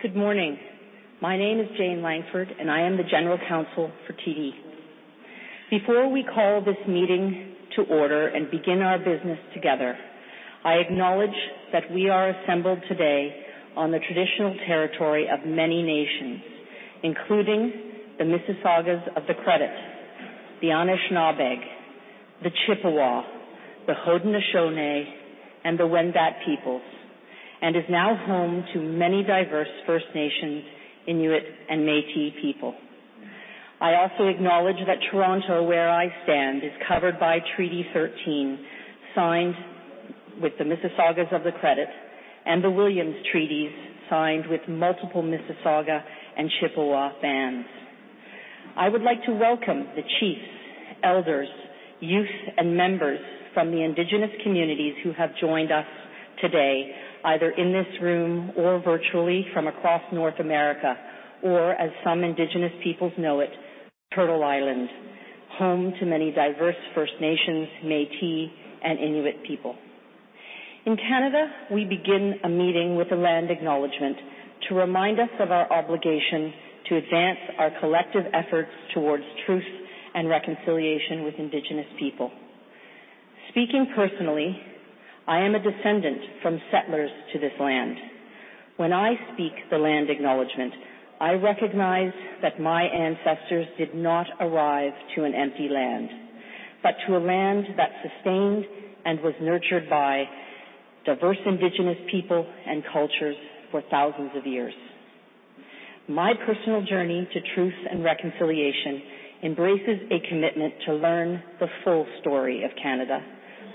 Good morning. My name is Jane Langford, and I am the General Counsel for TD. Before we call this meeting to order and begin our business together, I acknowledge that we are assembled today on the traditional territory of many nations, including the Mississaugas of the Credit, the Anishinaabe, the Chippewa, the Haudenosaunee, and the Wendat peoples, and is now home to many diverse First Nations, Inuit, and Métis people. I also acknowledge that Toronto, where I stand, is covered by Treaty 13, signed with the Mississaugas of the Credit and the Williams Treaties signed with multiple Mississauga and Chippewa bands. I would like to welcome the chiefs, elders, youth, and members from the indigenous communities who have joined us today, either in this room or virtually from across North America, or as some indigenous peoples know it, Turtle Island, home to many diverse First Nations, Métis, and Inuit people. In Canada, we begin a meeting with a land acknowledgement to remind us of our obligation to advance our collective efforts towards Truth and Reconciliation with Indigenous people. Speaking personally, I am a descendant from settlers to this land. When I speak the land acknowledgement, I recognize that my ancestors did not arrive to an empty land, but to a land that sustained and was nurtured by diverse Indigenous people and cultures for thousands of years. My personal journey to Truth and Reconciliation embraces a commitment to learn the full story of Canada,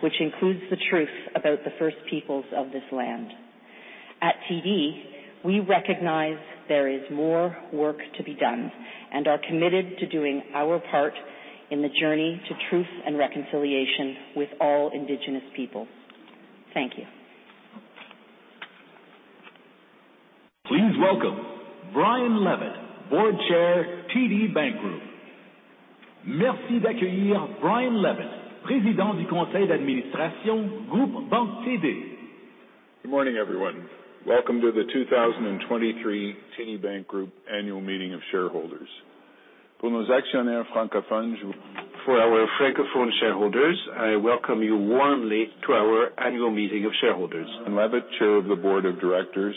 which includes the truth about the First Peoples of this land. At TD, we recognize there is more work to be done and are committed to doing our part in the journey to Truth and Reconciliation with all Indigenous people. Thank you. Please welcome Brian Levitt, Board Chair, TD Bank Group. Merci d'accueillir Brian Levitt, Président du conseil d'administration, Groupe Banque TD. Good morning, everyone. Welcome to the 2023 TD Bank Group Annual Meeting of Shareholders. Pour nos actionnaires francophones. For our Francophone shareholders, I welcome you warmly to our annual meeting of shareholders. I'm Levitt, Chair of the Board of Directors,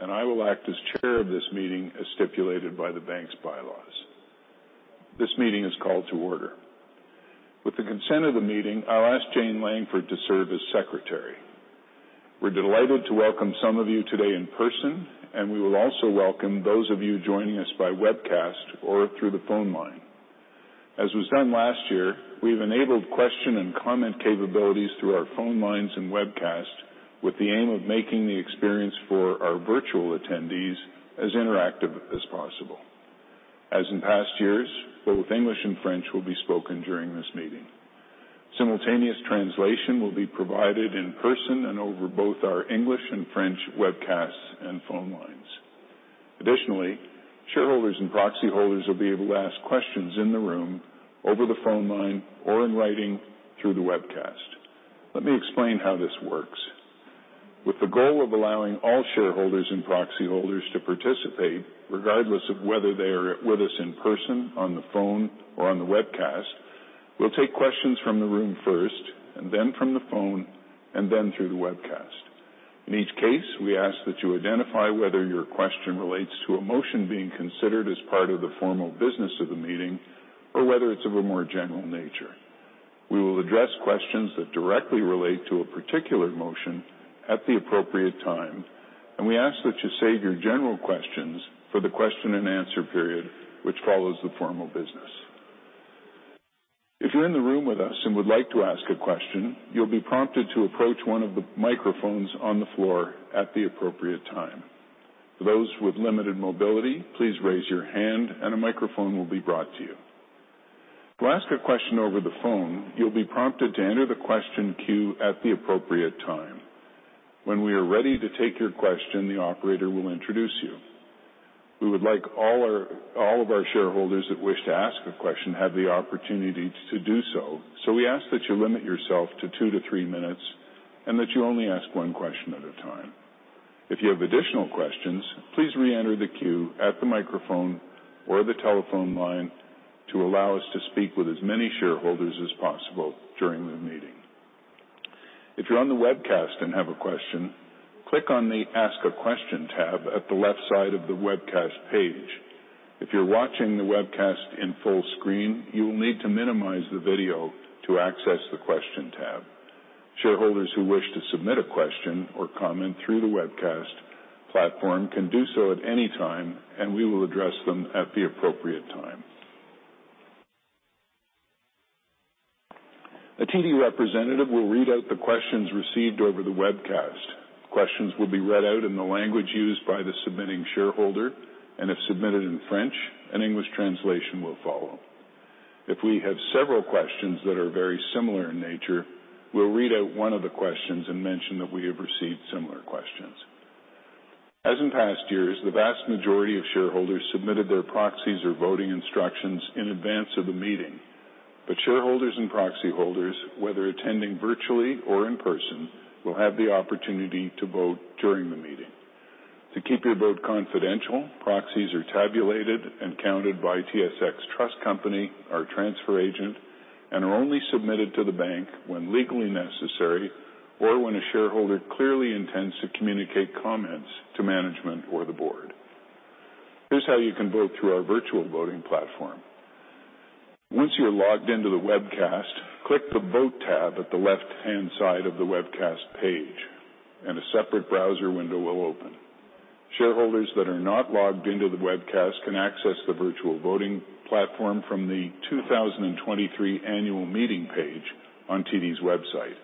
and I will act as chair of this meeting as stipulated by the Bank's bylaws. This meeting is called to order. With the consent of the meeting, I'll ask Jane Langford to serve as secretary. We're delighted to welcome some of you today in person, and we will also welcome those of you joining us by webcast or through the phone line. As was done last year, we've enabled question and comment capabilities through our phone lines and webcast with the aim of making the experience for our virtual attendees as interactive as possible. As in past years, both English and French will be spoken during this meeting. Simultaneous translation will be provided in person and over both our English and French webcasts and phone lines. Additionally, shareholders and proxy holders will be able to ask questions in the room, over the phone line or in writing through the webcast. Let me explain how this works. With the goal of allowing all shareholders and proxy holders to participate, regardless of whether they are with us in person, on the phone or on the webcast, we'll take questions from the room first, and then from the phone, and then through the webcast. In each case, we ask that you identify whether your question relates to a motion being considered as part of the formal business of the meeting, or whether it's of a more general nature. We will address questions that directly relate to a particular motion at the appropriate time, and we ask that you save your general questions for the question and answer period, which follows the formal business. If you're in the room with us and would like to ask a question, you'll be prompted to approach one of the microphones on the floor at the appropriate time. For those with limited mobility, please raise your hand and a microphone will be brought to you. To ask a question over the phone, you'll be prompted to enter the question queue at the appropriate time. When we are ready to take your question, the operator will introduce you. We would like all of our shareholders that wish to ask a question have the opportunity to do so. We ask that you limit yourself to two to three minutes and that you only ask one question at a time. If you have additional questions, please re-enter the queue at the microphone or the telephone line to allow us to speak with as many shareholders as possible during the meeting. If you're on the webcast and have a question, click on the Ask a Question tab at the left side of the webcast page. If you're watching the webcast in full screen, you will need to minimize the video to access the question tab. Shareholders who wish to submit a question or comment through the webcast platform can do so at any time, and we will address them at the appropriate time. A TD representative will read out the questions received over the webcast. Questions will be read out in the language used by the submitting shareholder, and if submitted in French, an English translation will follow. If we have several questions that are very similar in nature, we'll read out one of the questions and mention that we have received similar questions. As in past years, the vast majority of shareholders submitted their proxies or voting instructions in advance of the meeting. Shareholders and proxy holders, whether attending virtually or in person, will have the opportunity to vote during the meeting. To keep your vote confidential, proxies are tabulated and counted by TSX Trust Company, our transfer agent, and are only submitted to the bank when legally necessary, or when a shareholder clearly intends to communicate comments to management or the board. Here's how you can vote through our virtual voting platform. Once you're logged into the webcast, click the Vote tab at the left-hand side of the webcast page, and a separate browser window will open. Shareholders that are not logged into the webcast can access the virtual voting platform from the 2023 annual meeting page on TD's website.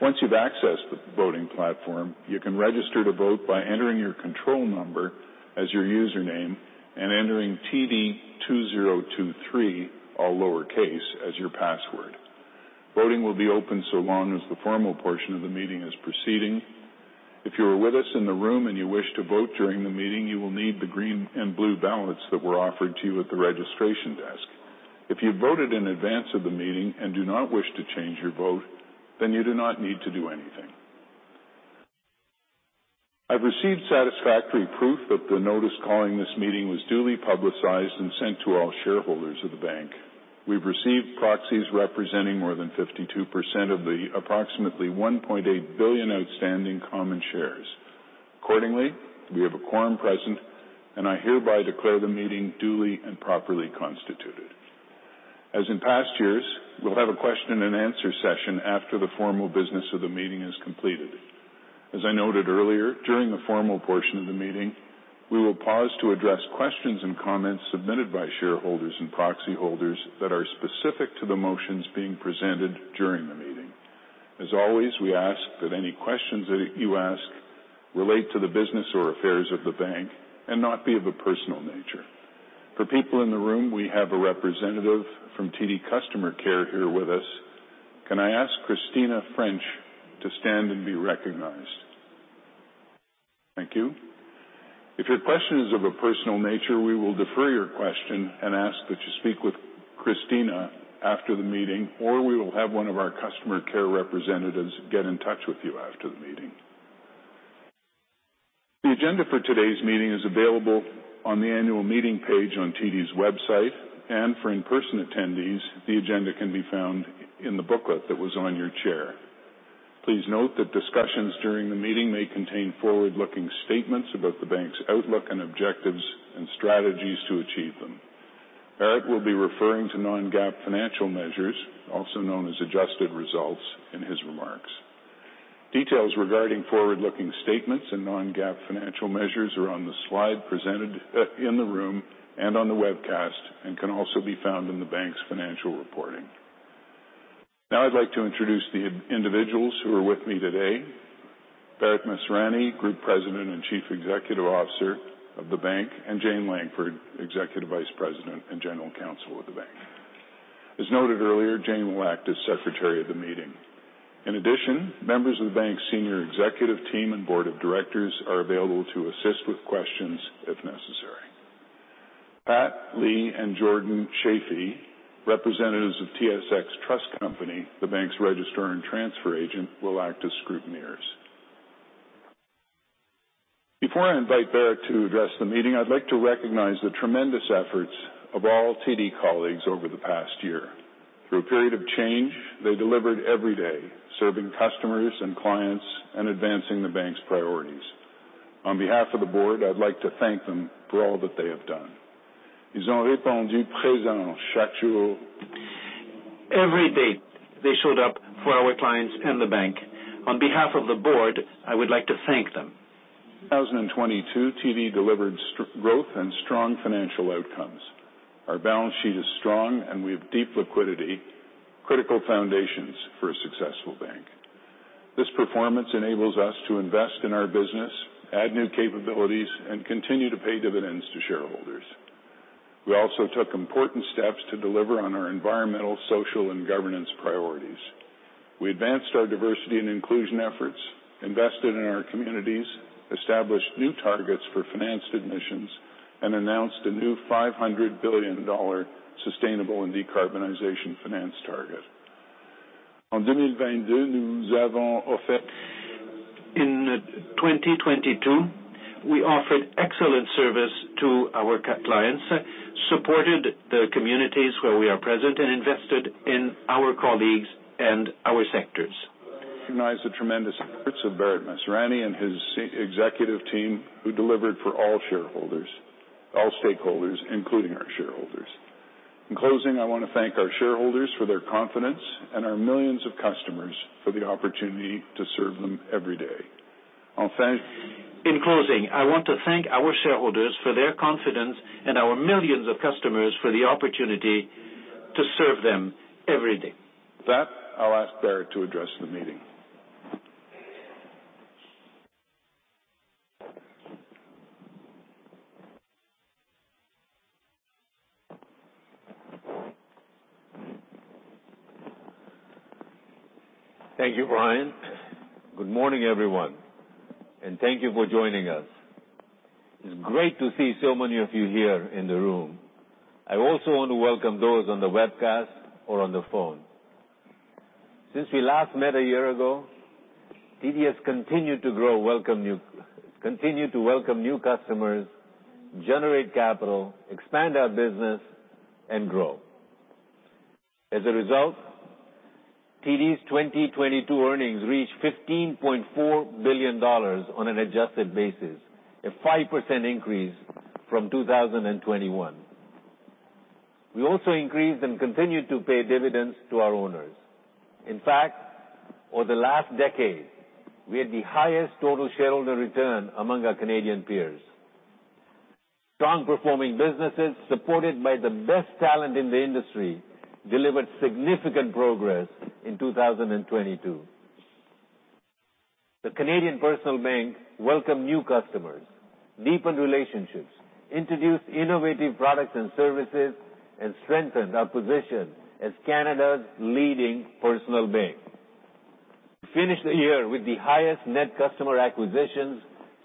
Once you've accessed the voting platform, you can register to vote by entering your control number as your username and entering td2023, all lowercase, as your password. Voting will be open so long as the formal portion of the meeting is proceeding. If you are with us in the room and you wish to vote during the meeting, you will need the green and blue ballots that were offered to you at the registration desk. If you voted in advance of the meeting and do not wish to change your vote, then you do not need to do anything. I've received satisfactory proof that the notice calling this meeting was duly publicized and sent to all shareholders of the bank. We've received proxies representing more than 52% of the approximately 1.8 billion outstanding common shares. Accordingly, we have a quorum present, and I hereby declare the meeting duly and properly constituted. As in past years, we'll have a question and answer session after the formal business of the meeting is completed. As I noted earlier, during the formal portion of the meeting, we will pause to address questions and comments submitted by shareholders and proxy holders that are specific to the motions being presented during the meeting. As always, we ask that any questions that you ask relate to the business or affairs of the bank and not be of a personal nature. For people in the room, we have a representative from TD Customer Care here with us. Can I ask Christina French to stand and be recognized? Thank you. If your question is of a personal nature, we will defer your question and ask that you speak with Christina after the meeting, or we will have one of our customer care representatives get in touch with you after the meeting. The agenda for today's meeting is available on the annual meeting page on TD's website. For in-person attendees, the agenda can be found in the booklet that was on your chair. Please note that discussions during the meeting may contain forward-looking statements about the bank's outlook and objectives and strategies to achieve them. Bharat will be referring to non-GAAP financial measures, also known as adjusted results, in his remarks. Details regarding forward-looking statements and non-GAAP financial measures are on the slide presented in the room and on the webcast and can also be found in the bank's financial reporting. Now I'd like to introduce the individuals who are with me today, Bharat Masrani, Group President and Chief Executive Officer of the bank, and Jane Langford, Executive Vice President and General Counsel of the bank. As noted earlier, Jane will act as Secretary of the meeting. In addition, members of the bank's senior executive team and board of directors are available to assist with questions if necessary. Pat Lee and Jordan Chaffee, representatives of TSX Trust Company, the bank's registrar and transfer agent, will act as scrutineers. Before I invite Bharat to address the meeting, I'd like to recognize the tremendous efforts of all TD colleagues over the past year. Through a period of change, they delivered every day, serving customers and clients and advancing the bank's priorities. On behalf of the board, I'd like to thank them for all that they have done. Every day, they showed up for our clients and the bank. On behalf of the board, I would like to thank them. 2022, TD delivered strong growth and strong financial outcomes. Our balance sheet is strong, and we have deep liquidity, critical foundations for a successful bank. This performance enables us to invest in our business, add new capabilities, and continue to pay dividends to shareholders. We also took important steps to deliver on our environmental, social, and governance priorities. We advanced our diversity and inclusion efforts, invested in our communities, established new targets for financed emissions, and announced a new 500 billion dollar sustainable and decarbonization finance target. In 2022, we offered excellent service to our clients, supported the communities where we are present and invested in our colleagues and our sectors. I recognize the tremendous efforts of Bharat Masrani and his executive team, who delivered for all shareholders, all stakeholders, including our shareholders. In closing, I wanna thank our shareholders for their confidence and our millions of customers for the opportunity to serve them every day. In closing, I want to thank our shareholders for their confidence and our millions of customers for the opportunity to serve them every day. With that, I'll ask Bharat to address the meeting. Thank you, Brian. Good morning, everyone. Thank you for joining us. It's great to see so many of you here in the room. I also want to welcome those on the webcast or on the phone. Since we last met a year ago, TD has continued to welcome new customers, generate capital, expand our business, and grow. As a result, TD's 2022 earnings reached $15.4 billion on an adjusted basis, a 5% increase from 2021. We also increased and continued to pay dividends to our owners. In fact, over the last decade, we had the highest total shareholder return among our Canadian peers. Strong-performing businesses supported by the best talent in the industry delivered significant progress in 2022. The Canadian Personal Bank welcomed new customers, deepened relationships, introduced innovative products and services, and strengthened our position as Canada's leading personal bank. Finished the year with the highest net customer acquisitions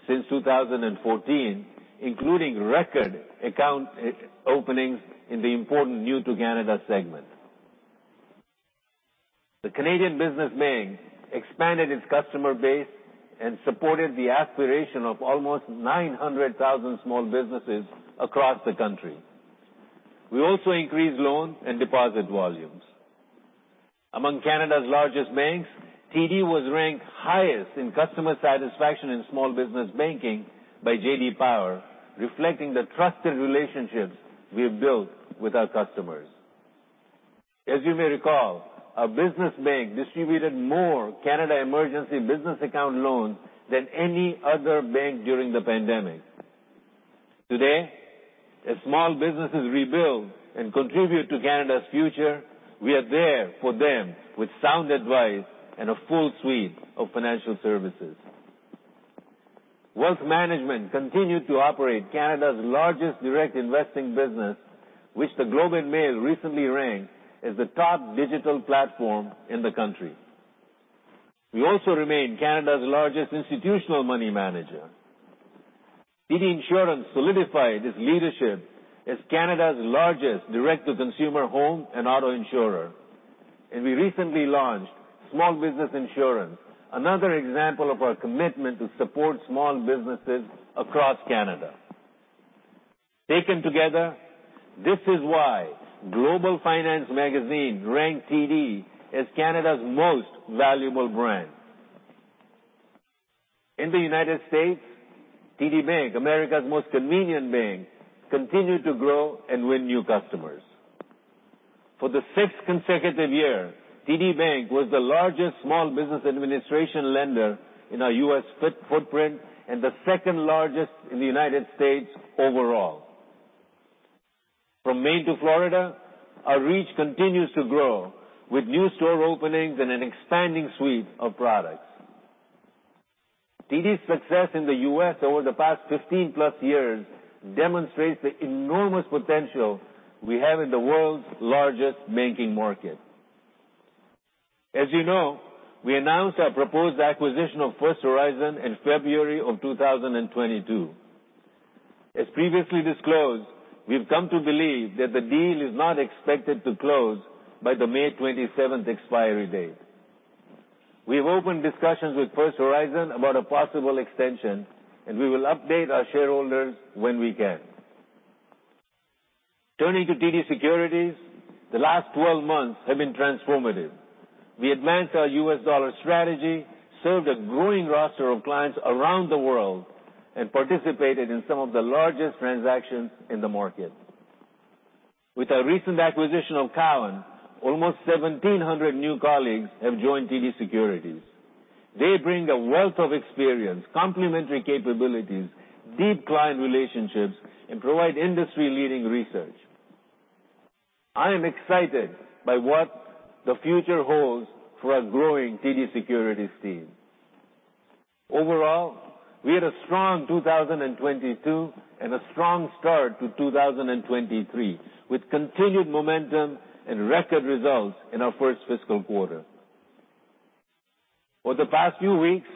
since 2014, including record account openings in the important new to Canada segment. The Canadian Business Bank expanded its customer base and supported the aspiration of almost 900,000 small businesses across the country. We also increased loans and deposit volumes. Among Canada's largest banks, TD was ranked highest in customer satisfaction in small business banking by J.D. Power, reflecting the trusted relationships we have built with our customers. As you may recall, our business bank distributed more Canada Emergency Business Account loans than any other bank during the pandemic. Today, as small businesses rebuild and contribute to Canada's future, we are there for them with sound advice and a full suite of financial services. Wealth management continued to operate Canada's largest direct investing business, which The Globe and Mail recently ranked as the top digital platform in the country. We also remain Canada's largest institutional money manager. TD Insurance solidified its leadership as Canada's largest direct-to-consumer home and auto insurer, and we recently launched small business insurance, another example of our commitment to support small businesses across Canada. Taken together, this is why Global Finance ranked TD as Canada's most valuable brand. In the United States, TD Bank, America's Most Convenient Bank, continued to grow and win new customers. For the sixth consecutive year, TD Bank was the largest Small Business Administration lender in our U.S. footprint and the second-largest in the United States overall. From Maine to Florida, our reach continues to grow with new store openings and an expanding suite of products. TD's success in the U.S. over the past 15-plus years demonstrates the enormous potential we have in the world's largest banking market. As you know, we announced our proposed acquisition of First Horizon in February of 2022. As previously disclosed, we've come to believe that the deal is not expected to close by the May 27th expiry date. We have opened discussions with First Horizon about a possible extension, and we will update our shareholders when we can. Turning to TD Securities, the last 12 months have been transformative. We advanced our U.S. dollar strategy, served a growing roster of clients around the world, and participated in some of the largest transactions in the market. With our recent acquisition of Cowen, almost 1,700 new colleagues have joined TD Securities. They bring a wealth of experience, complementary capabilities, deep client relationships, and provide industry-leading research. I am excited by what the future holds for our growing TD Securities team. Overall, we had a strong 2022 and a strong start to 2023, with continued momentum and record results in our first fiscal quarter. Over the past few weeks,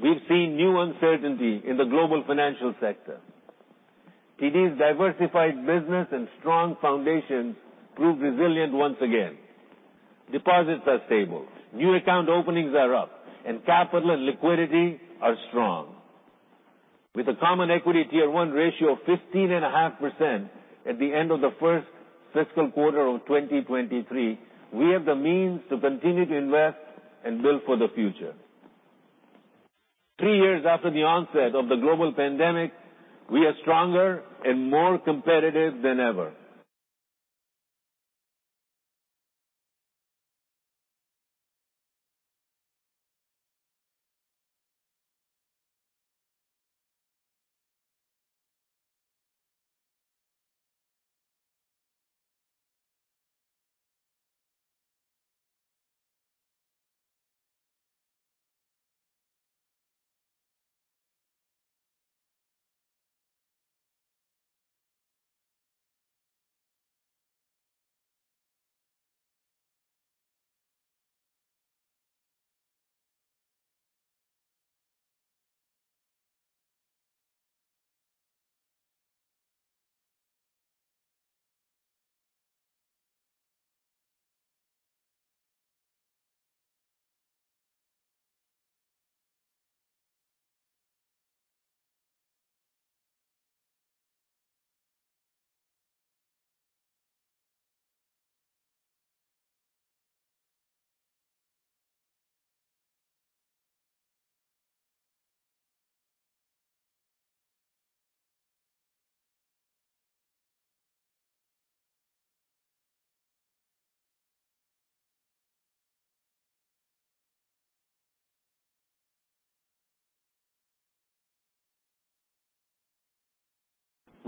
we've seen new uncertainty in the global financial sector. TD's diversified business and strong foundations proved resilient once again. Deposits are stable. New account openings are up, and capital and liquidity are strong. With a Common Equity Tier 1 ratio of 15.5% at the end of the first fiscal quarter of 2023, we have the means to continue to invest and build for the future. Three years after the onset of the global pandemic, we are stronger and more competitive than ever.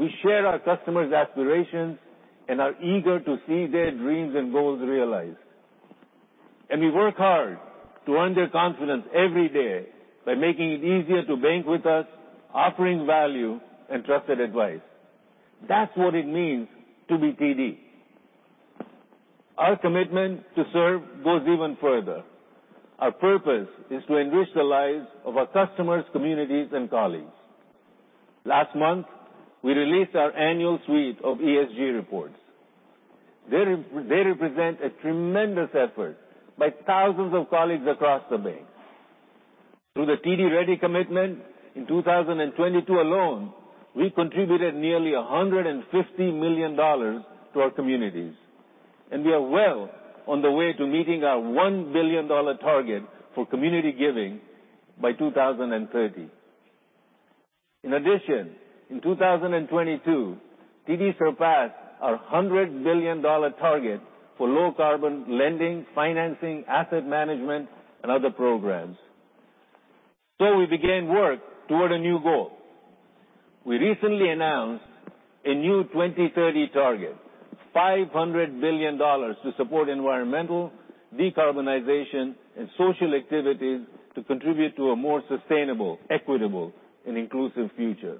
We share our customers' aspirations and are eager to see their dreams and goals realized. We work hard to earn their confidence every day by making it easier to bank with us, offering value and trusted advice. That's what it means to be TD. Our commitment to serve goes even further. Our purpose is to enrich the lives of our customers, communities, and colleagues. Last month, we released our annual suite of ESG reports. They represent a tremendous effort by thousands of colleagues across the bank. Through the TD Ready Commitment, in 2022 alone, we contributed nearly 150 million dollars to our communities, and we are well on the way to meeting our one billion dollar target for community giving by 2030. In addition, in 2022, TD surpassed our 100 billion dollar target for low-carbon lending, financing, asset management, and other programs. We began work toward a new goal. We recently announced a new 2030 target, 500 billion dollars to support environmental, decarbonization, and social activities to contribute to a more sustainable, equitable, and inclusive future.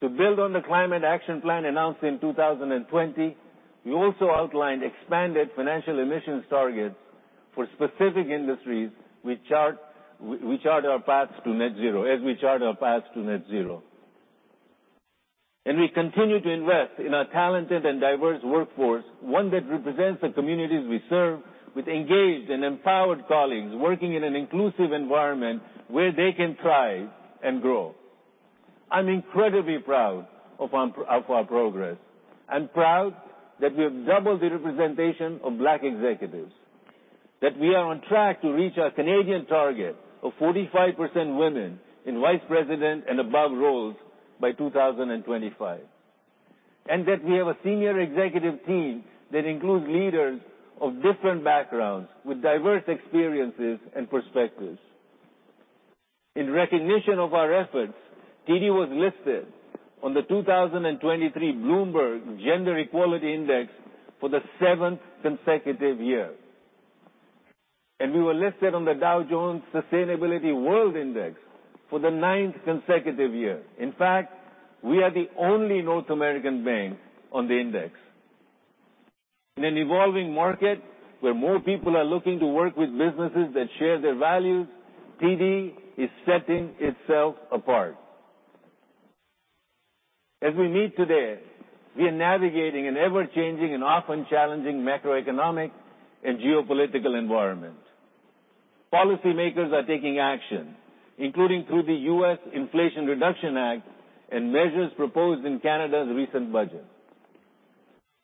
To build on the climate action plan announced in 2020, we also outlined expanded financial emissions targets for specific industries as we chart our paths to net zero. We continue to invest in our talented and diverse workforce, one that represents the communities we serve with engaged and empowered colleagues working in an inclusive environment where they can thrive and grow. I'm incredibly proud of our progress. I'm proud that we have doubled the representation of Black executives, that we are on track to reach our Canadian target of 45% women in vice president and above roles by 2025, and that we have a senior executive team that includes leaders of different backgrounds with diverse experiences and perspectives. In recognition of our efforts, TD was listed on the 2023 Bloomberg Gender-Equality Index for the seventh consecutive year. We were listed on the Dow Jones Sustainability World Index for the ninth consecutive year. In fact, we are the only North American bank on the index. In an evolving market where more people are looking to work with businesses that share their values, TD is setting itself apart. As we meet today, we are navigating an ever-changing and often challenging macroeconomic and geopolitical environment. Policy makers are taking action, including through the U.S. Inflation Reduction Act and measures proposed in Canada's recent budget.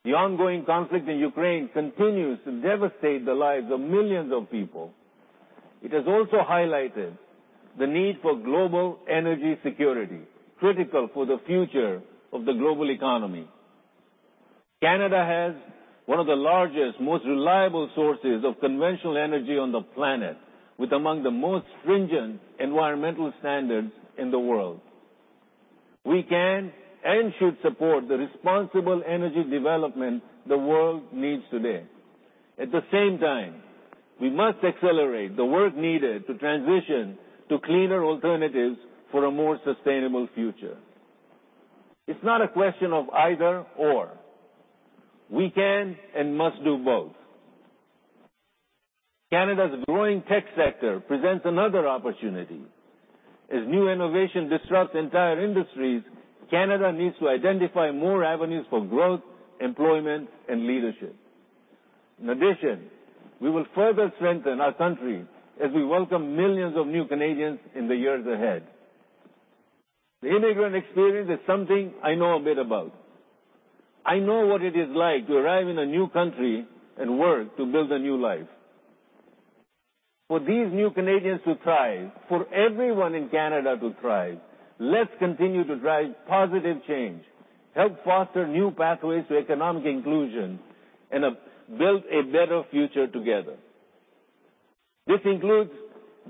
The ongoing conflict in Ukraine continues to devastate the lives of millions of people. It has also highlighted the need for global energy security, critical for the future of the global economy. Canada has one of the largest, most reliable sources of conventional energy on the planet with among the most stringent environmental standards in the world. We can and should support the responsible energy development the world needs today. At the same time, we must accelerate the work needed to transition to cleaner alternatives for a more sustainable future. It's not a question of either/or. We can and must do both. Canada's growing tech sector presents another opportunity. As new innovation disrupts entire industries, Canada needs to identify more avenues for growth, employment, and leadership. In addition, we will further strengthen our country as we welcome millions of new Canadians in the years ahead. The immigrant experience is something I know a bit about. I know what it is like to arrive in a new country and work to build a new life. For these new Canadians to thrive, for everyone in Canada to thrive, let's continue to drive positive change, help foster new pathways to economic inclusion, and build a better future together. This includes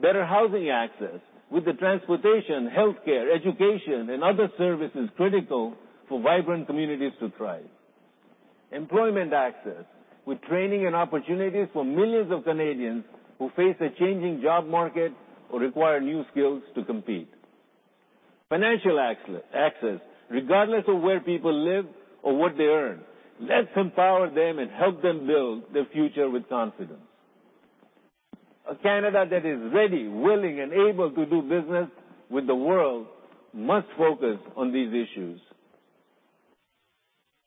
better housing access with the transportation, healthcare, education, and other services critical for vibrant communities to thrive. Employment access with training and opportunities for millions of Canadians who face a changing job market or require new skills to compete. Financial access, regardless of where people live or what they earn. Let's empower them and help them build their future with confidence. A Canada that is ready, willing, and able to do business with the world must focus on these issues.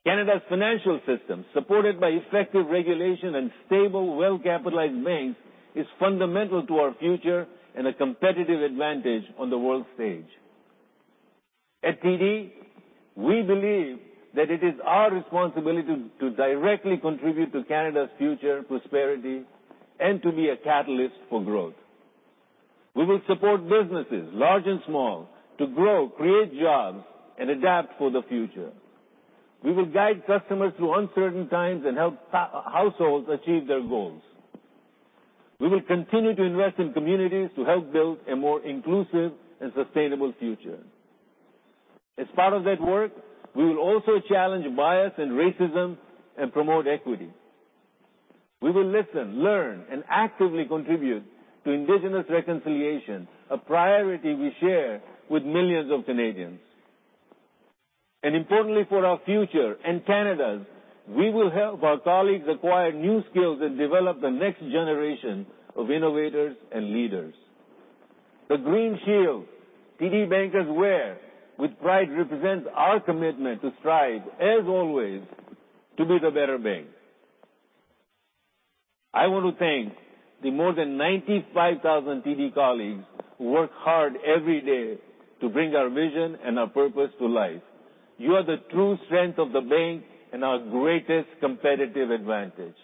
Canada's financial system, supported by effective regulation and stable, well-capitalized banks, is fundamental to our future and a competitive advantage on the world stage. At TD, we believe that it is our responsibility to directly contribute to Canada's future prosperity and to be a catalyst for growth. We will support businesses, large and small, to grow, create jobs, and adapt for the future. We will guide customers through uncertain times and help households achieve their goals. We will continue to invest in communities to help build a more inclusive and sustainable future. As part of that work, we will also challenge bias and racism and promote equity. We will listen, learn, and actively contribute to Indigenous reconciliation, a priority we share with millions of Canadians. Importantly for our future and Canada's, we will help our colleagues acquire new skills and develop the next generation of innovators and leaders. The green shield TD bankers wear with pride represents our commitment to strive, as always, to be the better bank. I want to thank the more than 95,000 TD colleagues who work hard every day to bring our vision and our purpose to life. You are the true strength of the bank and our greatest competitive advantage.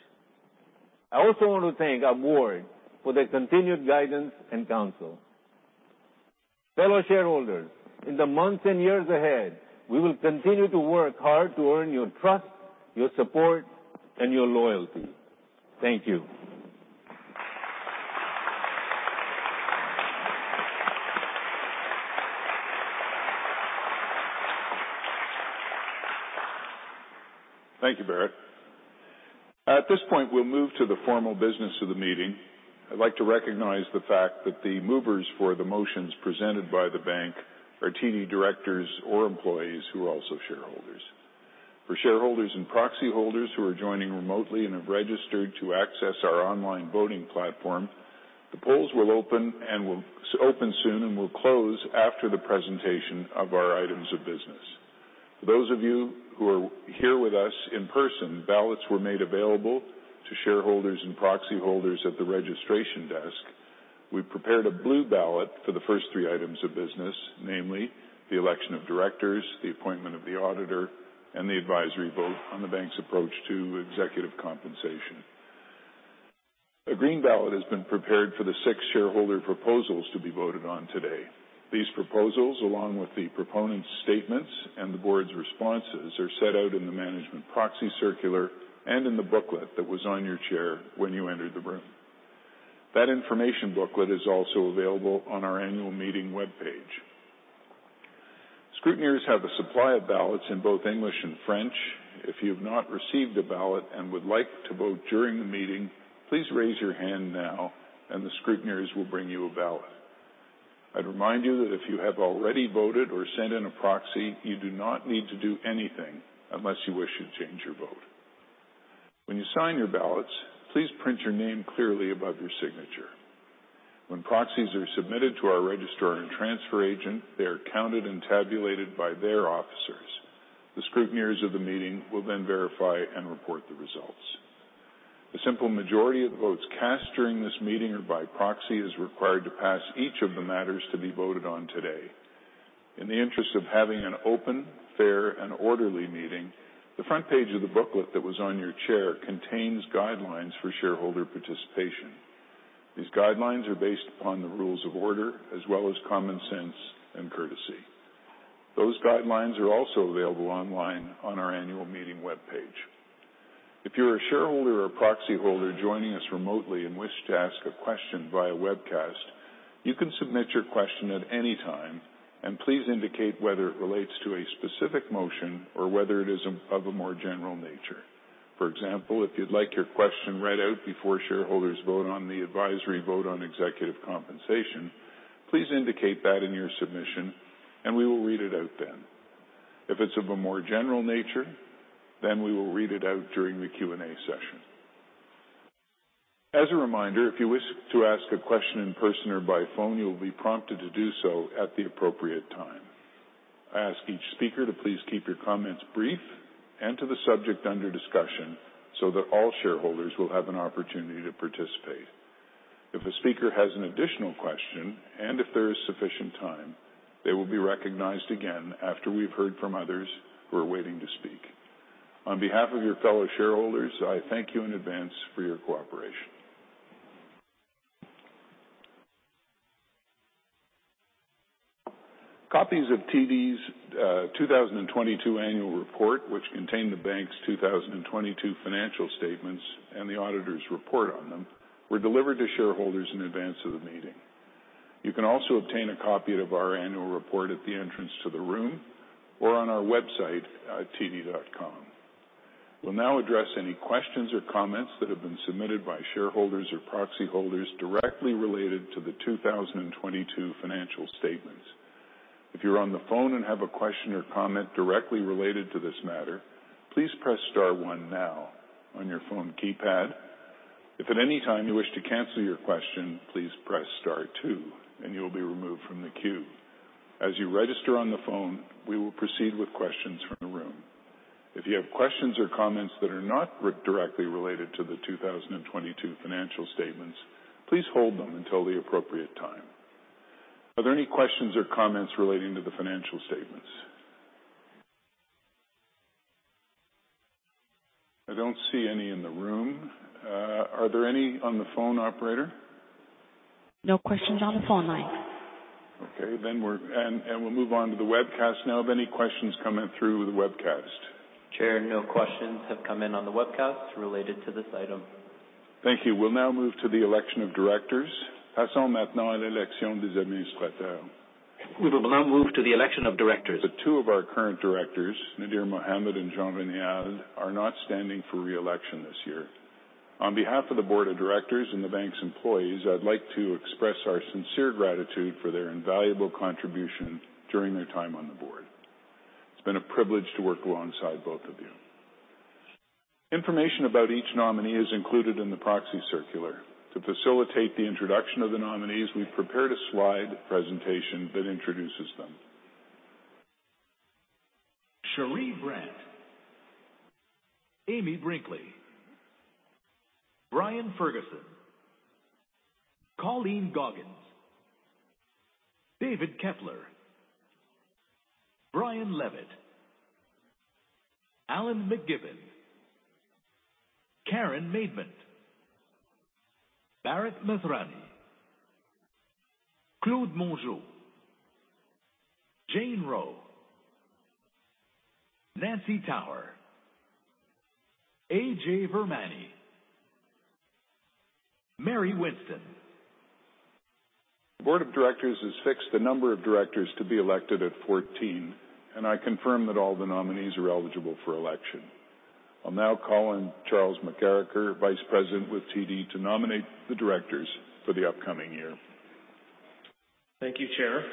I also want to thank our board for their continued guidance and counsel. Fellow shareholders, in the months and years ahead, we will continue to work hard to earn your trust, your support, and your loyalty. Thank you. Thank you, Bharat. At this point, we'll move to the formal business of the meeting. I'd like to recognize the fact that the movers for the motions presented by the bank are TD directors or employees who are also shareholders. For shareholders and proxy holders who are joining remotely and have registered to access our online voting platform, the polls will open soon and will close after the presentation of our items of business. Those of you who are here with us in person, ballots were made available to shareholders and proxy holders at the registration desk. We prepared a blue ballot for the first three items of business, namely the election of directors, the appointment of the auditor, and the advisory vote on the bank's approach to executive compensation. A green ballot has been prepared for the six shareholder proposals to be voted on today. These proposals, along with the proponents' statements and the board's responses, are set out in the management proxy circular and in the booklet that was on your chair when you entered the room. That information booklet is also available on our annual meeting webpage. Scrutineers have a supply of ballots in both English and French. If you've not received a ballot and would like to vote during the meeting, please raise your hand now and the scrutineers will bring you a ballot. I'd remind you that if you have already voted or sent in a proxy, you do not need to do anything unless you wish to change your vote. When you sign your ballots, please print your name clearly above your signature. When proxies are submitted to our registrar and transfer agent, they are counted and tabulated by their officers. The scrutineers of the meeting will then verify and report the results. A simple majority of votes cast during this meeting or by proxy is required to pass each of the matters to be voted on today. In the interest of having an open, fair, and orderly meeting, the front page of the booklet that was on your chair contains guidelines for shareholder participation. These guidelines are based upon the rules of order as well as common sense and courtesy. Those guidelines are also available online on our annual meeting webpage. If you're a shareholder or proxy holder joining us remotely and wish to ask a question via webcast, you can submit your question at any time and please indicate whether it relates to a specific motion or whether it is of a more general nature. For example, if you'd like your question read out before shareholders vote on the advisory vote on executive compensation, please indicate that in your submission and we will read it out then. If it's of a more general nature, then we will read it out during the Q&A session. As a reminder, if you wish to ask a question in person or by phone, you will be prompted to do so at the appropriate time. I ask each speaker to please keep your comments brief and to the subject under discussion so that all shareholders will have an opportunity to participate. If a speaker has an additional question, and if there is sufficient time, they will be recognized again after we've heard from others who are waiting to speak. On behalf of your fellow shareholders, I thank you in advance for your cooperation. Copies of TD's 2022 annual report, which contain the bank's 2022 financial statements and the auditor's report on them, were delivered to shareholders in advance of the meeting. You can also obtain a copy of our annual report at the entrance or on our website at td.com. We'll now address any questions or comments that have been submitted by shareholders or proxy holders directly related to the 2022 financial statements. If you're on the phone and have a question or comment directly related to this matter, please press star one now on your phone keypad. If at any time you wish to cancel your question, please press star two and you will be removed from the queue. As you register on the phone, we will proceed with questions from the room. If you have questions or comments that are not directly related to the 2022 financial statements, please hold them until the appropriate time. Are there any questions or comments relating to the financial statements? I don't see any in the room. Are there any on the phone, operator? No questions on the phone lines. Okay. We'll move on to the webcast now. Have any questions come in through the webcast? Chair, no questions have come in on the webcast related to this item. Thank you. We'll now move to the election of directors. We will now move to the election of directors. Two of our current directors, Nadir Mohamed and Jean-René Halde, are not standing for re-election this year. On behalf of the board of directors and the bank's employees, I'd like to express our sincere gratitude for their invaluable contribution during their time on the board. It's been a privilege to work alongside both of you. Information about each nominee is included in the proxy circular. To facilitate the introduction of the nominees, we've prepared a slide presentation that introduces them. Cherie Brant. Amy Brinkley. Brian Ferguson. Colleen Goggins. David Kepler. Brian Levitt. Alan MacGibbon. Karen Maidment. Bharat Masrani. Claude Mongeau. Jane Rowe. Nancy Tower. A.J. Virmani. Mary Winston. Board of directors has fixed the number of directors to be elected at 14. I confirm that all the nominees are eligible for election. I'll now call on Charles McCarricker, Vice President with TD, to nominate the directors for the upcoming year. Thank you, Chair.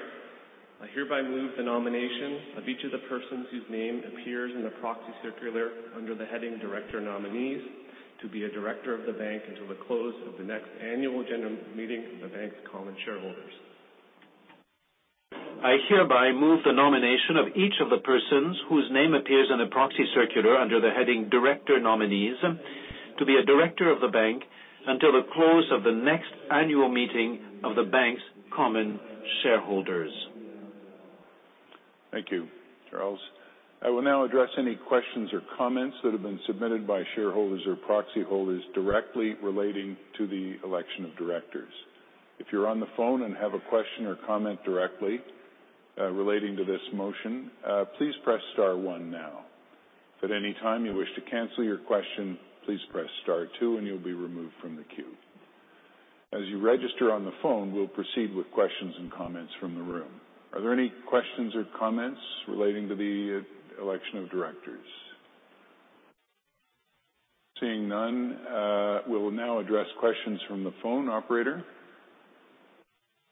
I hereby move the nomination of each of the persons whose name appears in the proxy circular under the heading Director Nominees to be a director of the bank until the close of the next annual general meeting of the bank's common shareholders. I hereby move the nomination of each of the persons whose name appears in a proxy circular under the heading Director Nominees to be a director of the bank until the close of the next annual meeting of the bank's common shareholders. Thank you, Charles. I will now address any questions or comments that have been submitted by shareholders or proxy holders directly relating to the election of directors. If you're on the phone and have a question or comment directly relating to this motion, please press star one now. At any time you wish to cancel your question, please press star two and you'll be removed from the queue. As you register on the phone, we'll proceed with questions and comments from the room. Are there any questions or comments relating to the election of directors? Seeing none, we'll now address questions from the phone, operator.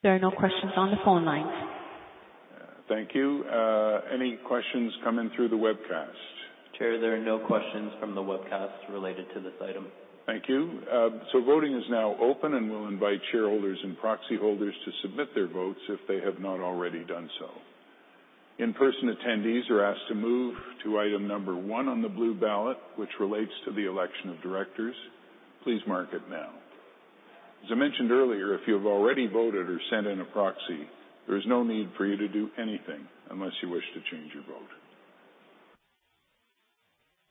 There are no questions on the phone lines. Thank you. Any questions coming through the webcast? Chair, there are no questions from the webcast related to this item. Thank you. Voting is now open, and we'll invite shareholders and proxy holders to submit their votes if they have not already done so. In-person attendees are asked to move to item number one on the blue ballot, which relates to the election of directors. Please mark it now. As I mentioned earlier, if you have already voted or sent in a proxy, there is no need for you to do anything unless you wish to change your vote.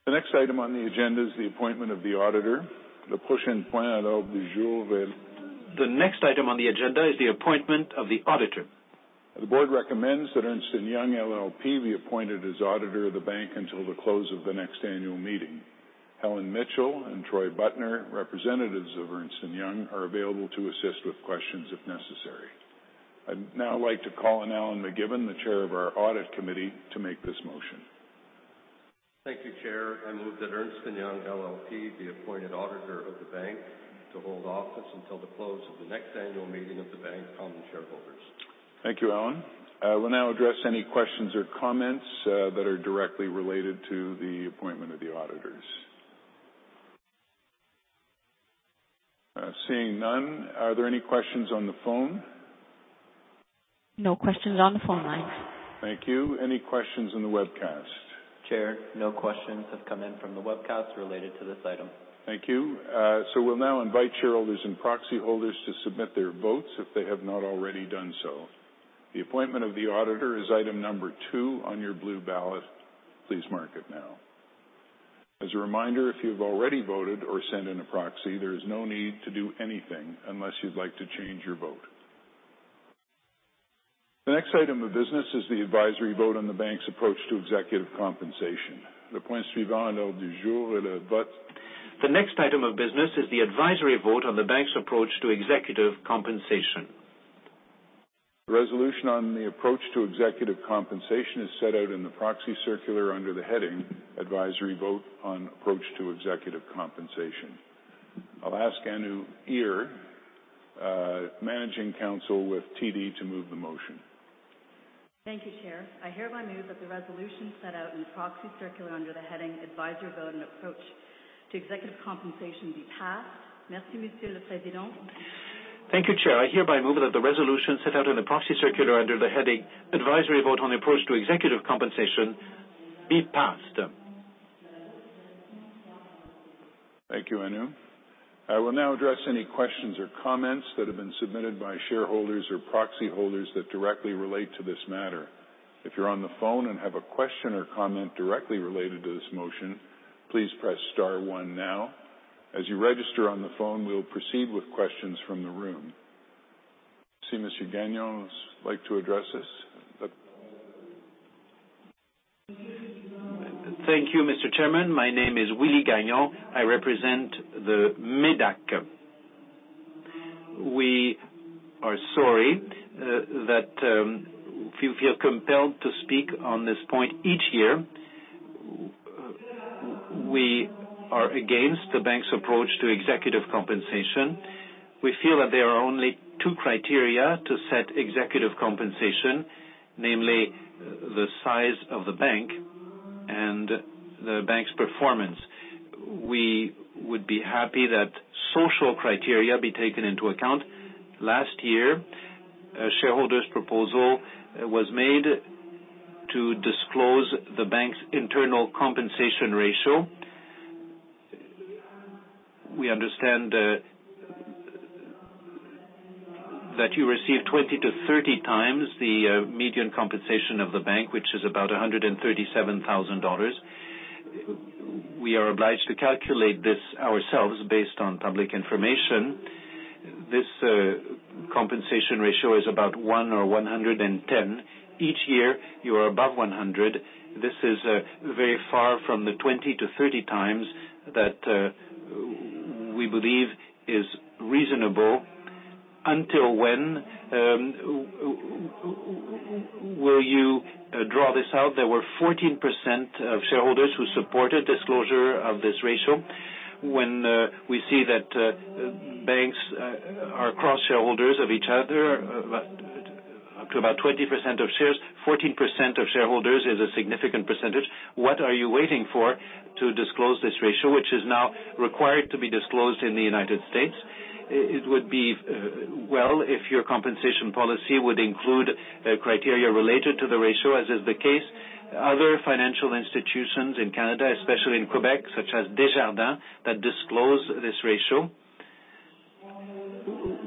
The next item on the agenda is the appointment of the auditor. The next item on the agenda is the appointment of the auditor. The board recommends that Ernst & Young LLP be appointed as auditor of the bank until the close of the next annual meeting. Helen Mitchell and Troy Butner, representatives of Ernst & Young, are available to assist with questions if necessary. I'd now like to call on Alan MacGibbon, the chair of our audit committee, to make this motion. Thank you, Chair. I move that Ernst & Young LLP be appointed auditor of the bank to hold office until the close of the next annual meeting of the bank common shareholders. Thank you, Alan. We'll now address any questions or comments that are directly related to the appointment of the auditors. Seeing none, are there any questions on the phone? No questions on the phone lines. Thank you. Any questions on the webcast? Chair, no questions have come in from the webcast related to this item. Thank you. We'll now invite shareholders and proxy holders to submit their votes if they have not already done so. The appointment of the auditor is item number two on your blue ballot. Please mark it now. As a reminder, if you've already voted or sent in a proxy, there is no need to do anything unless you'd like to change your vote. The next item of business is the advisory vote on the bank's approach to executive compensation. The next item of business is the advisory vote on the bank's approach to executive compensation. Resolution on the approach to executive compensation is set out in the proxy circular under the heading Advisory Vote on Approach to Executive Compensation. I'll ask Anu Hirani, managing council with TD to move the motion. Thank you, Chair. I hereby move that the resolution set out in the proxy circular under the heading Advisory Vote and Approach to Executive Compensation be passed. Thank you, Chair. I hereby move that the resolution set out in the proxy circular under the heading Advisory Vote on Approach to Executive Compensation be passed. Thank you, Anu. I will now address any questions or comments that have been submitted by shareholders or proxy holders that directly relate to this matter. If you're on the phone and have a question or comment directly related to this motion, please press star one now. As you register on the phone, we will proceed with questions from the room. See Mr. Gagnon like to address this. Thank you, Mr. Chairman. My name is Willie Gagnon. I represent the MÉDAC. We are sorry that we feel compelled to speak on this point each year. We are against the bank's approach to executive compensation. We feel that there are only two criteria to set executive compensation, namely the size of the bank and the bank's performance. We would be happy that social criteria be taken into account. Last year, a shareholder's proposal was made to disclose the bank's internal compensation ratio. We understand that you receive 20-30 times the median compensation of the bank, which is about 137,000 dollars. We are obliged to calculate this ourselves based on public information. This compensation ratio is about one or 110. Each year, you are above 100. This is very far from the 20-30 times that we believe is reasonable. Until when will you draw this out? There were 14% of shareholders who supported disclosure of this ratio. We see that banks are cross shareholders of each other up to about 20% of shares, 14% of shareholders is a significant percentage. What are you waiting for to disclose this ratio, which is now required to be disclosed in the United States? It would be well if your compensation policy would include a criteria related to the ratio, as is the case other financial institutions in Canada, especially in Quebec, such as Desjardins, that disclose this ratio.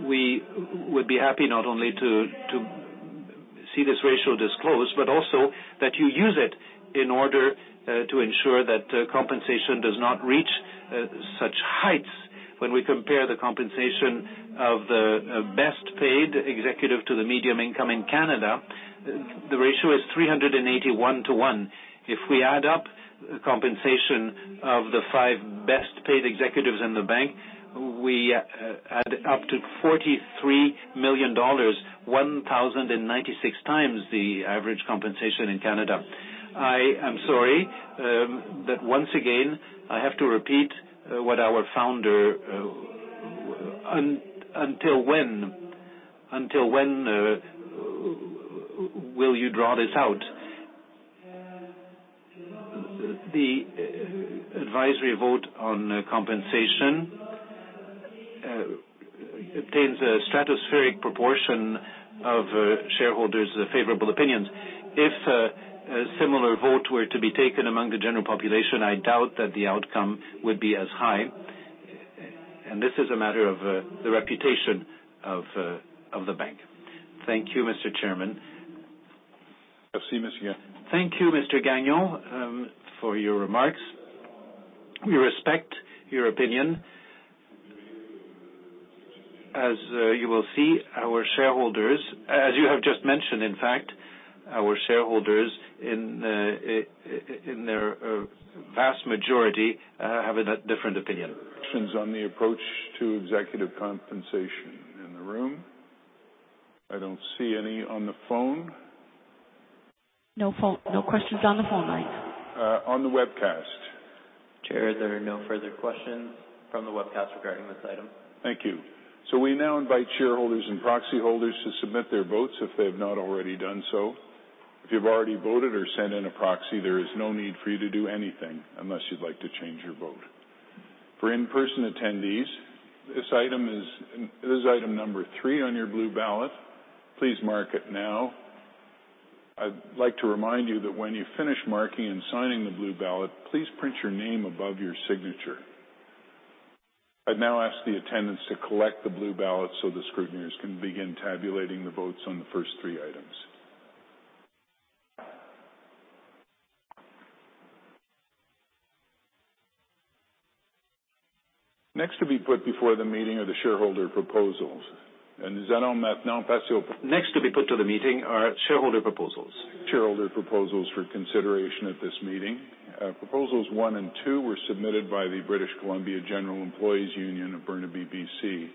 We would be happy not only to see this ratio disclosed, but also that you use it in order to ensure that compensation does not reach such heights when we compare the compensation of the best paid executive to the medium income in Canada, the ratio is 381 to 1. If we add up compensation of the five best paid executives in the bank, we add up to 43 million dollars, 1,096x the average compensation in Canada. I am sorry that once again, I have to repeat what our founder, until when, until when, will you draw this out? The advisory vote on compensation obtains a stratospheric proportion of shareholders' favorable opinions. If a similar vote were to be taken among the general population, I doubt that the outcome would be as high. This is a matter of the reputation of the bank. Thank you, Mr. Chairman. I see, monsieur. Thank you, Mr. Gagnon, for your remarks. We respect your opinion. As you will see our shareholders, as you have just mentioned, in fact, our shareholders in their vast majority have a different opinion. Questions on the approach to executive compensation in the room. I don't see any. On the phone? No questions on the phone, Mike. On the webcast. Chair, there are no further questions from the webcast regarding this item. Thank you. We now invite shareholders and proxy holders to submit their votes if they've not already done so. If you've already voted or sent in a proxy, there is no need for you to do anything unless you'd like to change your vote. For in-person attendees, this item is item number three on your blue ballot. Please mark it now. I'd like to remind you that when you finish marking and signing the blue ballot, please print your name above your signature. I now ask the attendants to collect the blue ballot so the scrutineers can begin tabulating the votes on the first three items. Next to be put before the meeting of the shareholder proposals. Is that on that now, Pascio? To the meeting are shareholder proposals. Shareholder proposals for consideration at this meeting. Proposals 1 and 2 were submitted by the British Columbia General Employees' Union of Burnaby, BC.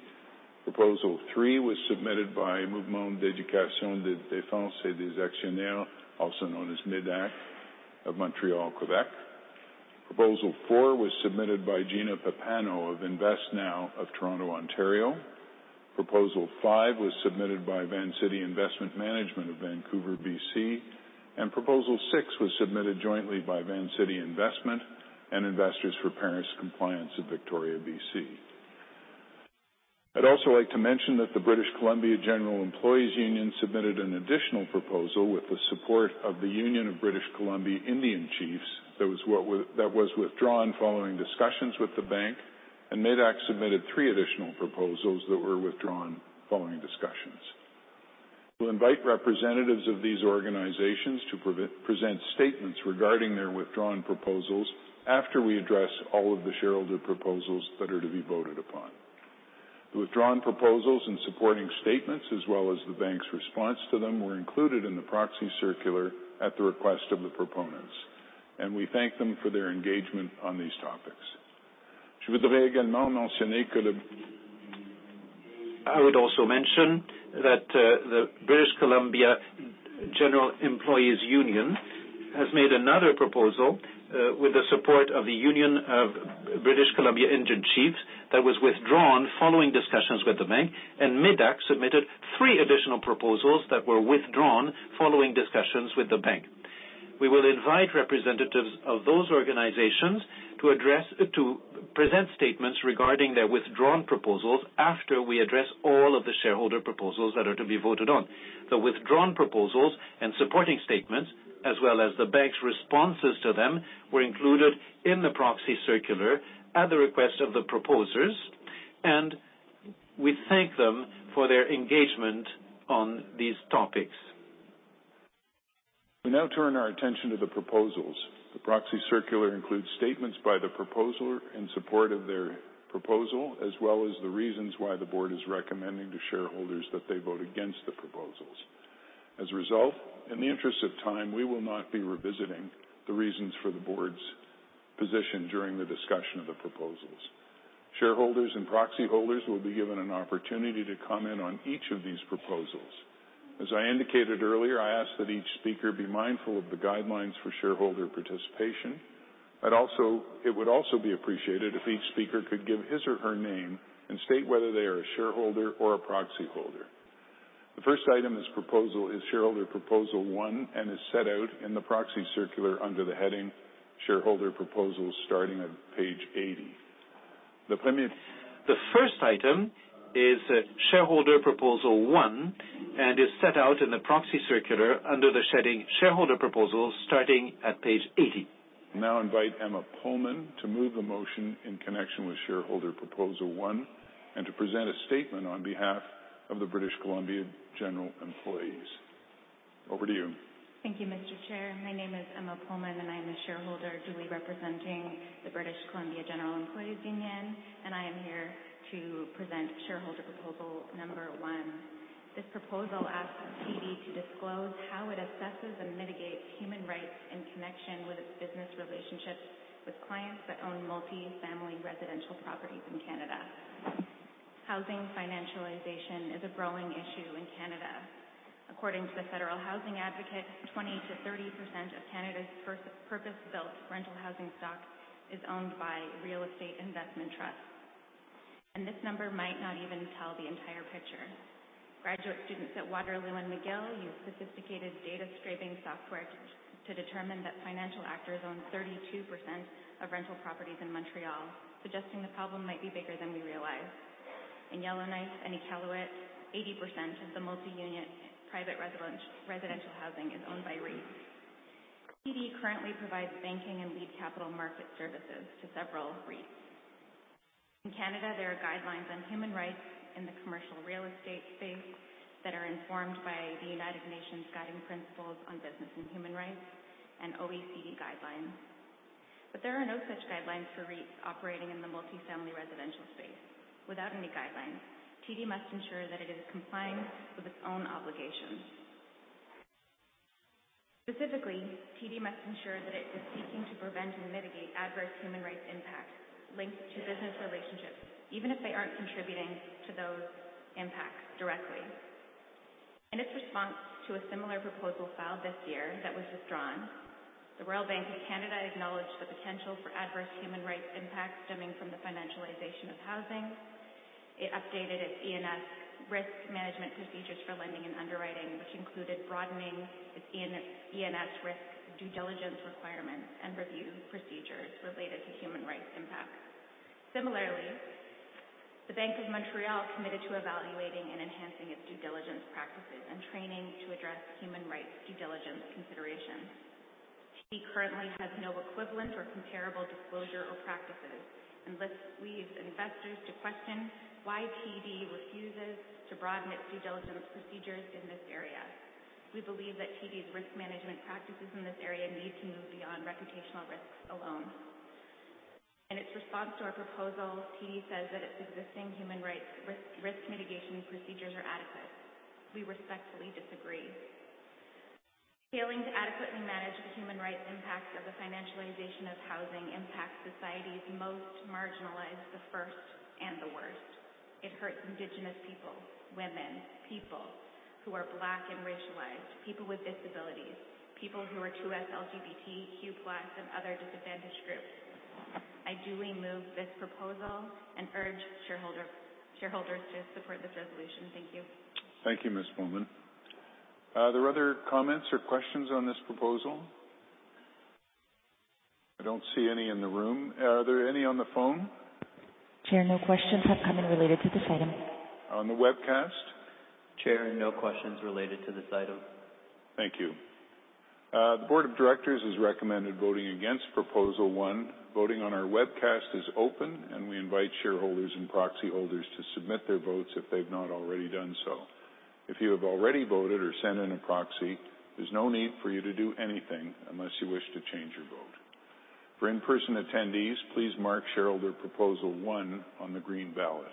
Proposal 3 was submitted by Mouvement d'éducation et de défense des actionnaires, also known as MÉDAC of Montreal, Quebec. Proposal 4 was submitted by Gina Papanno of InvestNow Inc. of Toronto, Ontario. Proposal 5 was submitted by Vancity Investment Management of Vancouver, BC, and proposal 6 was submitted jointly by Vancity Investment and Investors for Paris Compliance of Victoria, BC. I'd also like to mention that the British Columbia General Employees' Union submitted an additional proposal with the support of the Union of British Columbia Indian Chiefs. That was withdrawn following discussions with the bank, and MÉDAC submitted three additional proposals that were withdrawn following discussions. We'll invite representatives of these organizations to present statements regarding their withdrawn proposals after we address all of the shareholder proposals that are to be voted upon. The withdrawn proposals and supporting statements, as well as the bank's response to them, were included in the proxy circular at the request of the proponents, and we thank them for their engagement on these topics. I would also mention that the British Columbia General Employees' Union has made another proposal with the support of the Union of British Columbia Indian Chiefs that was withdrawn following discussions with the bank. MÉDAC submitted three additional proposals that were withdrawn following discussions with the bank. We will invite representatives of those organizations to present statements regarding their withdrawn proposals after we address all of the shareholder proposals that are to be voted on. The withdrawn proposals and supporting statements, as well as the bank's responses to them, were included in the proxy circular at the request of the proposers, and we thank them for their engagement on these topics. We now turn our attention to the proposals. The proxy circular includes statements by the proposal in support of their proposal, as well as the reasons why the board is recommending to shareholders that they vote against the proposals. In the interest of time, we will not be revisiting the reasons for the board's position during the discussion of the proposals. Shareholders and proxy holders will be given an opportunity to comment on each of these proposals. As I indicated earlier, I ask that each speaker be mindful of the guidelines for shareholder participation. It would also be appreciated if each speaker could give his or her name and state whether they are a shareholder or a proxy holder. The first item is shareholder proposal one and is set out in the proxy circular under the heading Shareholder Proposals starting at page 80. The first item is shareholder proposal 1 and is set out in the proxy circular under the heading Shareholder Proposals starting at page 80. Now invite Emma Pullman to move the motion in connection with shareholder proposal one and to present a statement on behalf of the British Columbia General Employees. Over to you. Thank you, Mr. Chair. My name is Emma Pullman, and I am a shareholder duly representing the British Columbia General Employees' Union, and I am here to present shareholder proposal number one. This proposal asks TD to disclose how it assesses and mitigates human rights in connection with its business relationships with clients that own multi-family residential properties in Canada. Housing financialization is a growing issue in Canada. According to the Federal Housing Advocate, 20% to 30% of Canada's purpose-built rental housing stock is owned by real estate investment trusts, and this number might not even tell the entire picture. Graduate students at Waterloo and McGill used sophisticated data scraping software to determine that financial actors own 32% of rental properties in Montreal, suggesting the problem might be bigger than we realize. In Yellowknife and Iqaluit, 80% of the multi-unit private residential housing is owned by REITs. TD currently provides banking and lead capital market services to several REITs. In Canada, there are guidelines on human rights in the commercial real estate space that are informed by the United Nations Guiding Principles on Business and Human Rights and OECD guidelines. There are no such guidelines for REITs operating in the multi-family residential space. Without any guidelines, TD must ensure that it is complying with its own obligations. Specifically, TD must ensure that it is seeking to prevent and mitigate adverse human rights impacts linked to business relationships, even if they aren't contributing to those impacts directly. In its response to a similar proposal filed this year that was withdrawn, the Royal Bank of Canada acknowledged the potential for adverse human rights impacts stemming from the financialization of housing. It updated its ENS risk management procedures for lending and underwriting, which included broadening its EN-ENS risk due diligence requirements and review procedures related to human rights impacts. Similarly, the Bank of Montreal committed to evaluating and enhancing its due diligence practices and training to address human rights due diligence considerations. TD currently has no equivalent or comparable disclosure or practices and leaves investors to question why TD refuses to broaden its due diligence procedures in this area. We believe that TD's risk management practices in this area need to move beyond reputational risks alone. In its response to our proposal, TD says that its existing human rights risk mitigation procedures are adequate. We respectfully disagree. Failing to adequately manage the human rights impact of the financialization of housing impacts society's most marginalized, the first and the worst. It hurts Indigenous people, women, people who are black and racialized, people with disabilities, people who are 2SLGBTQ+ and other disadvantaged groups. I duly move this proposal and urge shareholders to support this resolution. Thank you. Thank you, Ms. Pullman. Are there other comments or questions on this proposal? I don't see any in the room. Are there any on the phone? Chair, no questions have come in related to this item. On the webcast? Chair, no questions related to this item. Thank you. The board of directors has recommended voting against proposal one. Voting on our webcast is open, and we invite shareholders and proxy holders to submit their votes if they've not already done so. If you have already voted or sent in a proxy, there's no need for you to do anything unless you wish to change your vote. For in-person attendees, please mark shareholder proposal one on the green ballot.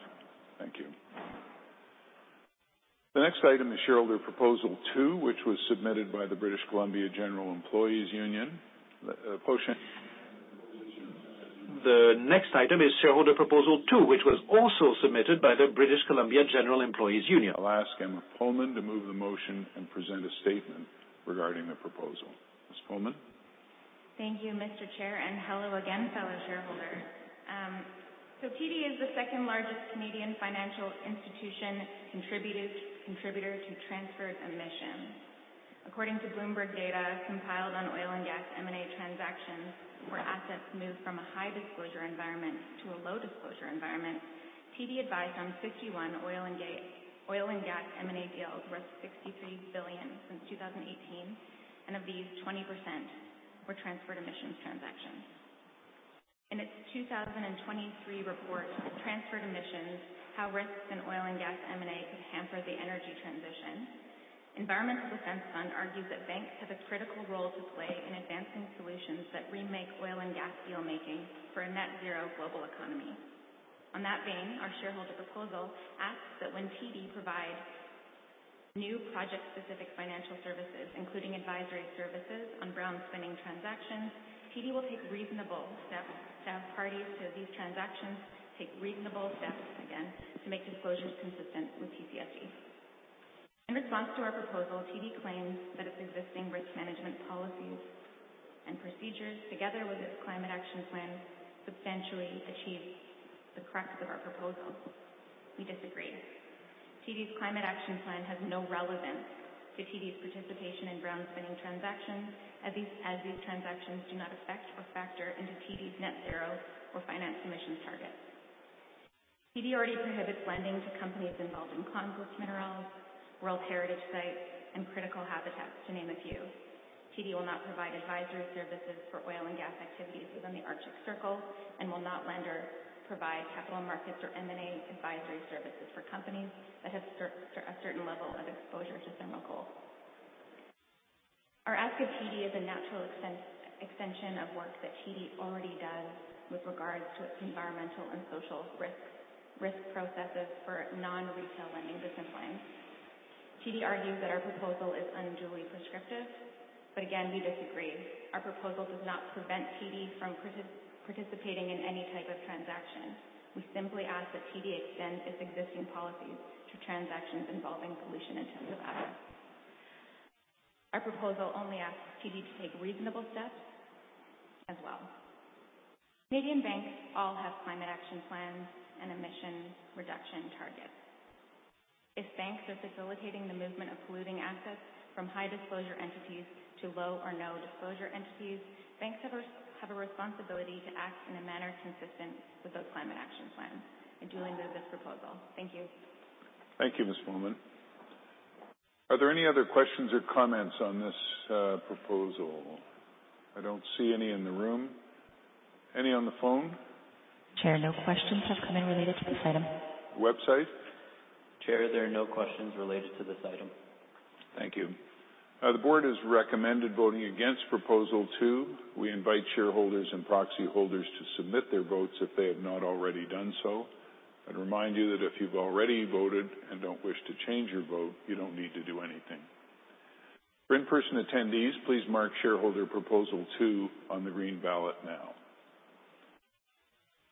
Thank you. The next item is shareholder proposal two, which was submitted by the British Columbia General Employees' Union. The next item is shareholder proposal 2, which was also submitted by the British Columbia General Employees' Union. I'll ask Emma Pullman to move the motion and present a statement regarding the proposal. Ms. Pullman. Thank you, Mr. Chair, Hello again, fellow shareholders. TD is the second-largest Canadian financial institution contributors, contributor to transferred emissions. According to Bloomberg data compiled on oil and gas M&A transactions where assets move from a high-disclosure environment to a low-disclosure environment, TD advised on 61 oil and gas M&A deals worth 63 billion since 2018. Of these, 20% were transferred emissions transactions. In its 2023 report, Transferred Emissions: How Risks in Oil and Gas M&A Could Hamper the Energy Transition, Environmental Defense Fund argues that banks have a critical role to play in advancing solutions that remake oil and gas deal-making for a net zero global economy. On that vein, our shareholder proposal asks that when TD provides new project-specific financial services, including advisory services on brown spending transactions, TD will take reasonable staff parties to these transactions, take reasonable steps again to make disclosures consistent with TCFD. In response to our proposal, TD claims that its existing risk management policies and procedures, together with its climate action plan, substantially achieve the crux of our proposal. We disagree. TD's climate action plan has no relevance to TD's participation in brown spending transactions as these transactions do not affect or factor into TD's net zero or finance emissions targets. TD already prohibits lending to companies involved in conflict minerals, world heritage sites, and critical habitats, to name a few. TD will not provide advisory services for oil and gas activities within the Arctic Circle and will not lend or provide capital markets or M&A advisory services for companies that have a certain level of exposure to thermal coal. Our ask of TD is a natural extension of work that TD already does with regards to its environmental and social risk processes for non-retail lending disciplines. TD argues that our proposal is unduly prescriptive, again, we disagree. Our proposal does not prevent TD from participating in any type of transaction. We simply ask that TD extend its existing policies to transactions involving pollution-intensive assets. Our proposal only asks TD to take reasonable steps as well. Canadian banks all have climate action plans and emission reduction targets. If banks are facilitating the movement of polluting assets from high-disclosure entities to low or no-disclosure entities, banks have a responsibility to act in a manner consistent with those climate action plans. I duly move this proposal. Thank you. Thank you, Ms. Pullman. Are there any other questions or comments on this proposal? I don't see any in the room. Any on the phone? Chair, no questions have come in related to this item. Website? Chair, there are no questions related to this item. Thank you. The board has recommended voting against proposal 2. We invite shareholders and proxy holders to submit their votes if they have not already done so. I'd remind you that if you've already voted and don't wish to change your vote, you don't need to do anything. For in-person attendees, please mark shareholder proposal 2 on the green ballot now.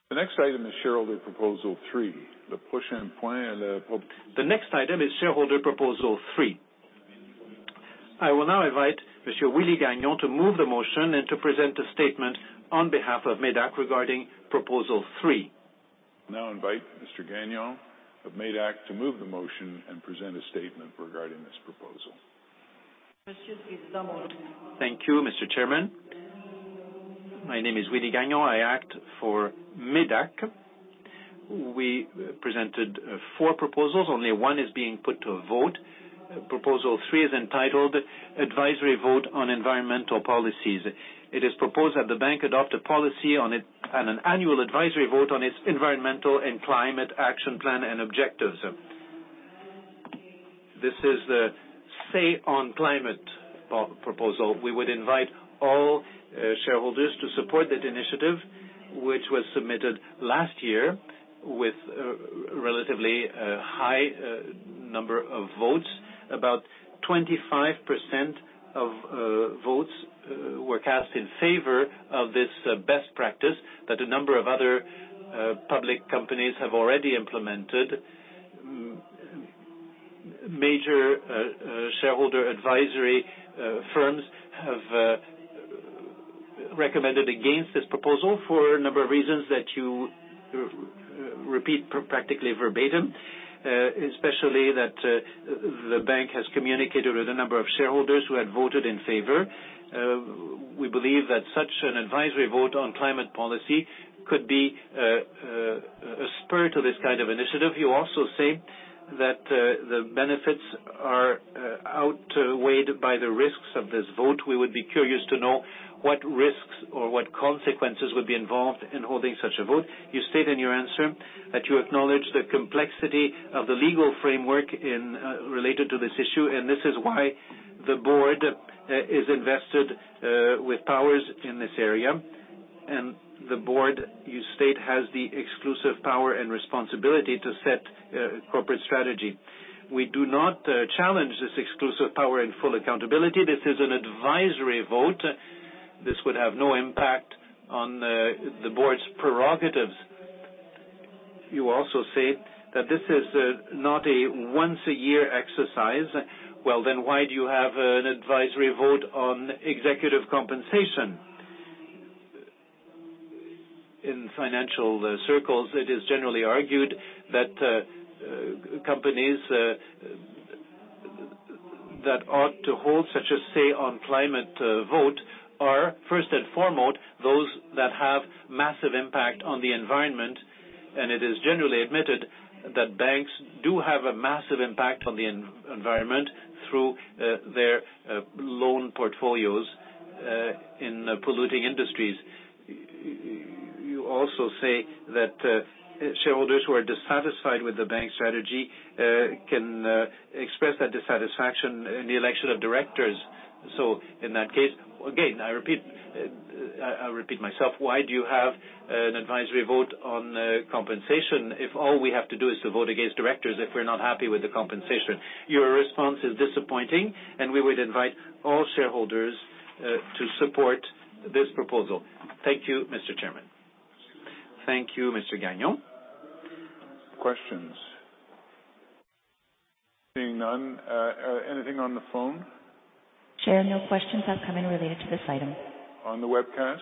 The next item is shareholder proposal 3. The next item is shareholder proposal 3. I will now invite Mr. Willie Gagnon to move the motion and to present a statement on behalf of MÉDAC regarding proposal 3. I now invite Mr. Gagnon of MÉDAC to move the motion and present a statement regarding this proposal. Thank you, Mr. Chairman. My name is Willie Gagnon. I act for MÉDAC. We presented four proposals. Only one is being put to a vote. Proposal three is entitled Advisory Vote on Environmental Policies. It is proposed that the bank adopt a policy on it and an annual advisory vote on its environmental and climate action plan and objectives. This is the Say on Climate proposal. We would invite all shareholders to support that initiative, which was submitted last year with relatively high number of votes. About 25% of votes were cast in favor of this best practice that a number of other public companies have already implemented. Major shareholder advisory firms have recommended against this proposal for a number of reasons that you repeat practically verbatim, especially that the bank has communicated with a number of shareholders who had voted in favor. We believe that such an advisory vote on climate policy could be a spirit to this kind of initiative. You also say that the benefits are outweighed by the risks of this vote. We would be curious to know what risks or what consequences would be involved in holding such a vote. You state in your answer that you acknowledge the complexity of the legal framework in related to this issue, and this is why the board is invested with powers in this area. The board, you state, has the exclusive power and responsibility to set corporate strategy. We do not challenge this exclusive power and full accountability. This is an advisory vote. This would have no impact on the board's prerogatives. You also say that this is not a once a year exercise. Why do you have an advisory vote on executive compensation? In financial circles, it is generally argued that companies that ought to hold such a Say on Climate vote are first and foremost those that have massive impact on the environment. It is generally admitted that banks do have a massive impact on the environment through their loan portfolios in polluting industries. You also say that shareholders who are dissatisfied with the bank strategy can express that dissatisfaction in the election of directors. In that case, again, I repeat, I repeat myself. Why do you have an advisory vote on compensation if all we have to do is to vote against directors if we're not happy with the compensation? Your response is disappointing. We would invite all shareholders to support this proposal. Thank you, Mr. Chairman. Thank you, Mr. Gagnon. Questions? Seeing none. Anything on the phone? Chair, no questions have come in related to this item. On the webcast?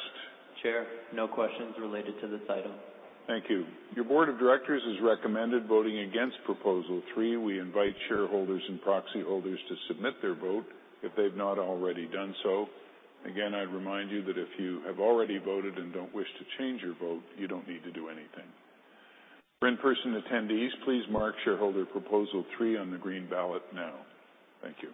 Chair, no questions related to this item. Thank you. Your board of directors has recommended voting against proposal three. We invite shareholders and proxy holders to submit their vote if they've not already done so. Again, I'd remind you that if you have already voted and don't wish to change your vote, you don't need to do anything. For in-person attendees, please mark shareholder proposal three on the green ballot now. Thank you.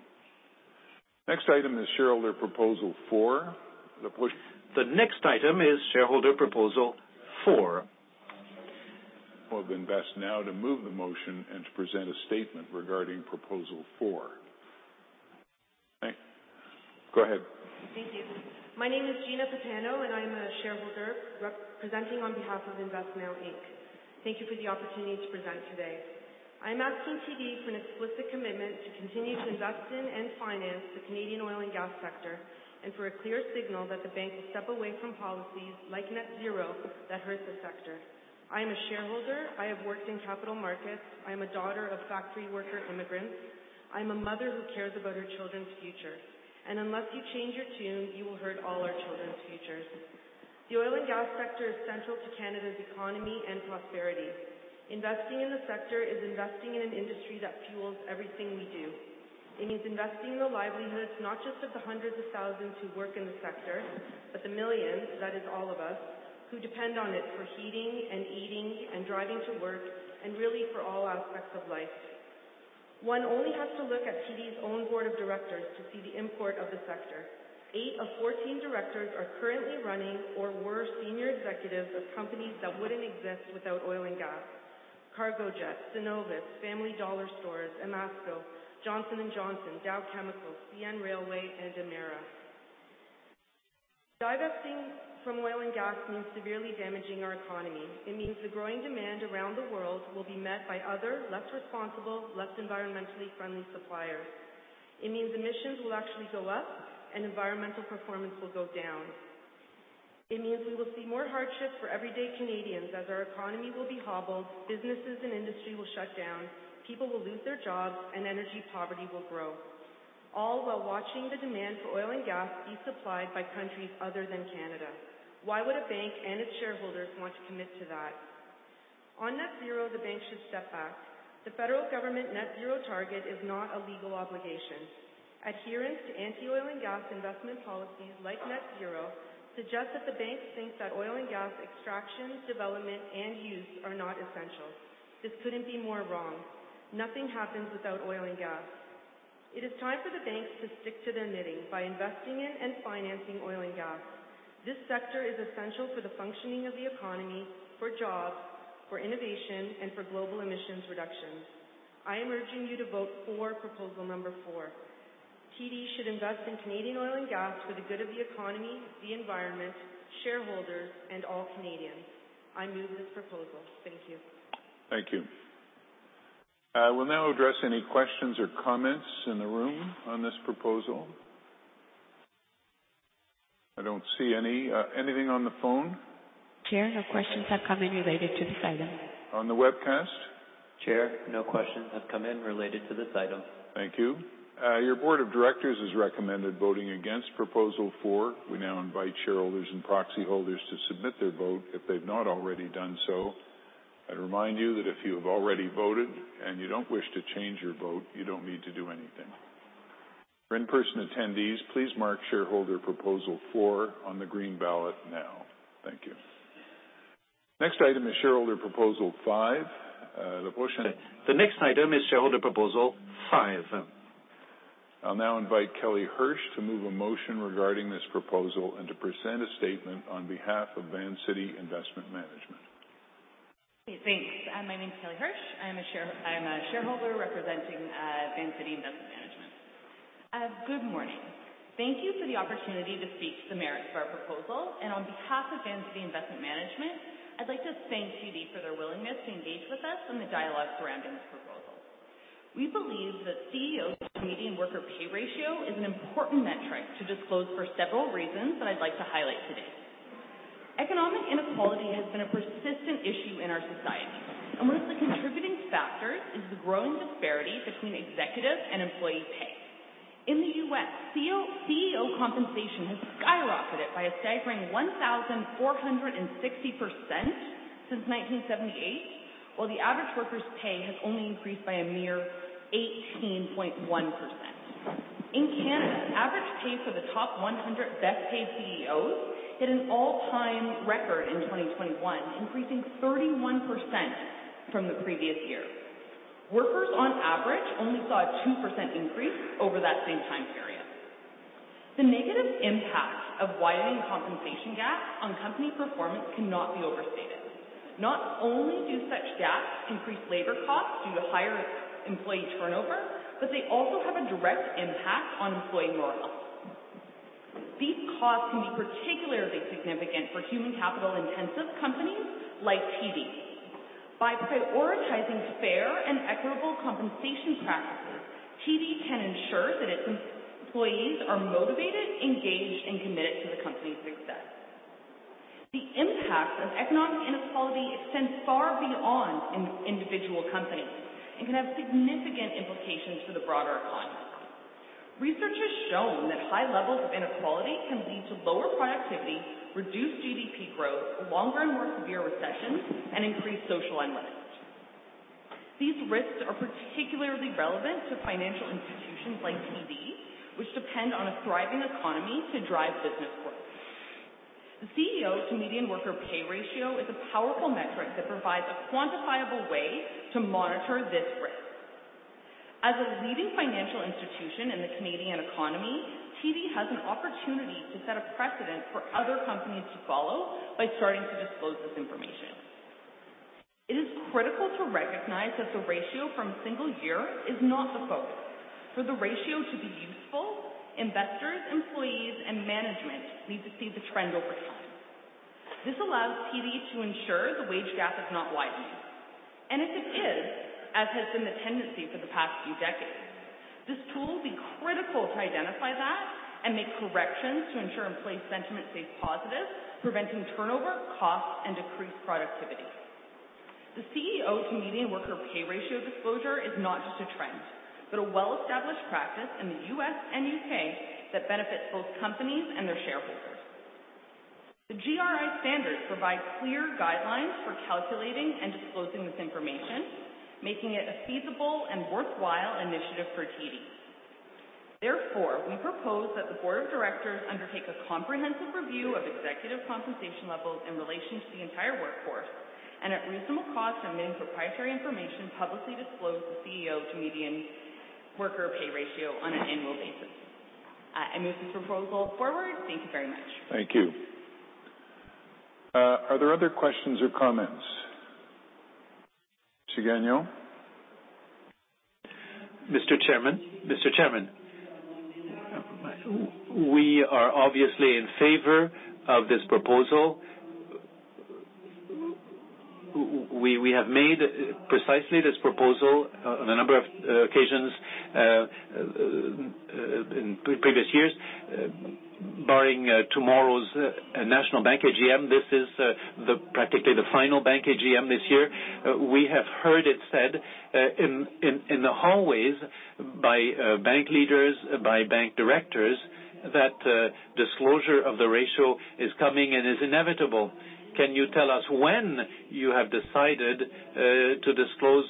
Next item is shareholder proposal four. The next item is shareholder proposal four. It would have been best now to move the motion and to present a statement regarding proposal 4. Go ahead. Thank you. My name is Gina Patano, and I'm a shareholder representing on behalf of Invest Now Inc. Thank you for the opportunity to present today. I'm asking TD for an explicit commitment to continue to invest in and finance the Canadian oil and gas sector and for a clear signal that the bank will step away from policies like net zero that hurt the sector. I am a shareholder. I have worked in capital markets. I am a daughter of factory worker immigrants. I'm a mother who cares about her children's future. Unless you change your tune, you will hurt all our children's futures. The oil and gas sector is central to Canada's economy and prosperity. Investing in the sector is investing in an industry that fuels everything we do. It means investing in the livelihoods, not just of the hundreds of thousands who work in the sector, but the millions, that is all of us, who depend on it for heating and eating and driving to work, and really for all aspects of life. One only has to look at TD's own board of directors to see the import of the sector. Eight of 14 directors are currently running or were senior executives of companies that wouldn't exist without oil and gas. Cargojet, Cenovus, Family Dollar Stores, Imasco, Johnson & Johnson, Dow Chemical, CN Railway, and Emera. Divesting from oil and gas means severely damaging our economy. It means the growing demand around the world will be met by other, less responsible, less environmentally friendly suppliers. It means emissions will actually go up and environmental performance will go down. It means we will see more hardships for everyday Canadians as our economy will be hobbled, businesses and industry will shut down, people will lose their jobs, and energy poverty will grow, all while watching the demand for oil and gas be supplied by countries other than Canada. Why would a bank and its shareholders want to commit to that? On net zero, the bank should step back. The federal government net zero target is not a legal obligation. Adherence to anti-oil and gas investment policies like net zero suggest that the bank thinks that oil and gas extraction, development, and use are not essential. This couldn't be more wrong. Nothing happens without oil and gas. It is time for the banks to stick to their knitting by investing in and financing oil and gas. This sector is essential for the functioning of the economy, for jobs, for innovation, and for global emissions reductions. I am urging you to vote for proposal number four. TD should invest in Canadian oil and gas for the good of the economy, the environment, shareholders, and all Canadians. I move this proposal. Thank you. Thank you. We'll now address any questions or comments in the room on this proposal. I don't see any. Anything on the phone? Chair, no questions have come in related to this item. On the webcast? Chair, no questions have come in related to this item. Thank you. Your board of directors has recommended voting against proposal 4. We now invite shareholders and proxy holders to submit their vote if they've not already done so. I'd remind you that if you have already voted and you don't wish to change your vote, you don't need to do anything. For in-person attendees, please mark shareholder proposal 4 on the green ballot now. Thank you. Next item is shareholder proposal 5. The next item is shareholder proposal five. I'll now invite Kelly Hirsch to move a motion regarding this proposal and to present a statement on behalf of Vancity Investment Management. Okay, thanks. My name is Kelly Hirsch. I'm a shareholder representing Vancity Investment Management. Good morning. Thank you for the opportunity to speak to the merits of our proposal. On behalf of Vancity Investment Management, I'd like to thank TD for their willingness to engage with us on the dialogue surrounding this proposal. We believe that CEO-to-median worker pay ratio is an important metric to disclose for several reasons that I'd like to highlight today. Economic inequality has been a persistent issue in our society, and one of the contributing factors is the growing disparity between executive and employee pay. In the U.S., CEO compensation has skyrocketed by a staggering 1,460% since 1978, while the average worker's pay has only increased by a mere 18.1%. In Canada, average pay for the top 100 best paid CEOs hit an all-time record in 2021, increasing 31% from the previous year. Workers on average only saw a 2% increase over that same time period. The negative impact of widening compensation gaps on company performance cannot be overstated. Not only do such gaps increase labor costs due to higher employee turnover, but they also have a direct impact on employee morale. These costs can be particularly significant for human capital-intensive companies like TD. By prioritizing fair and equitable compensation practices, TD can ensure that its employees are motivated, engaged, and committed to the company's success. The impact of economic inequality extends far beyond individual companies and can have significant implications for the broader economy. Research has shown that high levels of inequality can lead to lower productivity, reduced GDP growth, longer and more severe recessions, and increased social unrest. These risks are particularly relevant to financial institutions like TD, which depend on a thriving economy to drive business growth. The CEO-to-median worker pay ratio is a powerful metric that provides a quantifiable way to monitor this risk. As a leading financial institution in the Canadian economy, TD has an opportunity to set a precedent for other companies to follow by starting to disclose this information. It is critical to recognize that the ratio from a single year is not the focus. For the ratio to be useful, investors, employees, and management need to see the trend over time. This allows TD to ensure the wage gap is not widening. If it is, as has been the tendency for the past few decades, this tool will be critical to identify that and make corrections to ensure employee sentiment stays positive, preventing turnover, cost, and decreased productivity. The CEO-to-median worker pay ratio disclosure is not just a trend, but a well-established practice in the U.S. and U.K. that benefits both companies and their shareholders. The GRI Standards provide clear guidelines for calculating and disclosing this information, making it a feasible and worthwhile initiative for TD. Therefore, we propose that the board of directors undertake a comprehensive review of executive compensation levels in relation to the entire workforce, and at reasonable cost amid proprietary information, publicly disclose the CEO-to-median worker pay ratio on an annual basis. I move this proposal forward. Thank you very much. Thank you. Are there other questions or comments? Monsieur Gagnon. Mr. Chairman. Mr. Chairman, we are obviously in favor of this proposal. We have made precisely this proposal on a number of occasions in previous years. Barring tomorrow's National Bank AGM, this is practically the final bank AGM this year. We have heard it said in the hallways by bank leaders, by bank directors that disclosure of the ratio is coming and is inevitable. Can you tell us when you have decided to disclose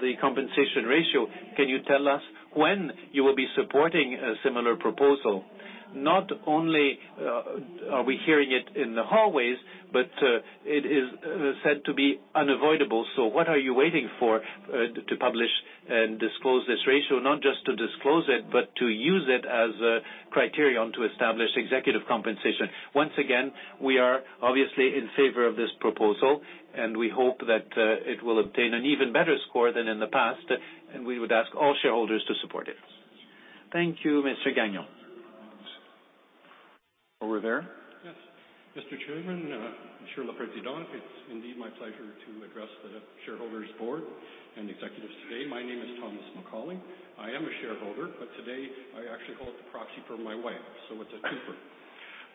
the compensation ratio? Can you tell us when you will be supporting a similar proposal? Not only are we hearing it in the hallways, but it is said to be unavoidable. What are you waiting for to publish and disclose this ratio? Not just to disclose it, but to use it as a criterion to establish executive compensation. Once again, we are obviously in favor of this proposal. We hope that it will obtain an even better score than in the past. We would ask all shareholders to support it. Thank you, Mr. Gagnon. Over there. Yes. Mr. Chairman, Chair, Le Président, it's indeed my pleasure to address the shareholders board and executives today. My name is Thomas McCauley. I am a shareholder, but today I actually hold the proxy for my wife, so it's a two-fer.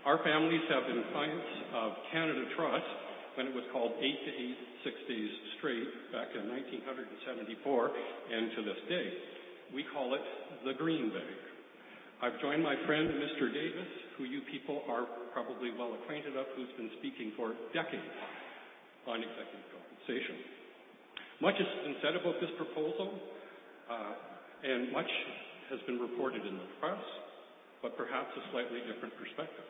Our families have been clients of Canada Trust when it was called Eight to Eight, Six Days Straight back in 1974, and to this day. We call it the Green Bank. I've joined my friend, Mr. Davis, who you people are probably well acquainted of, who's been speaking for decades on executive compensation. Much has been said about this proposal, and much has been reported in the press, but perhaps a slightly different perspective.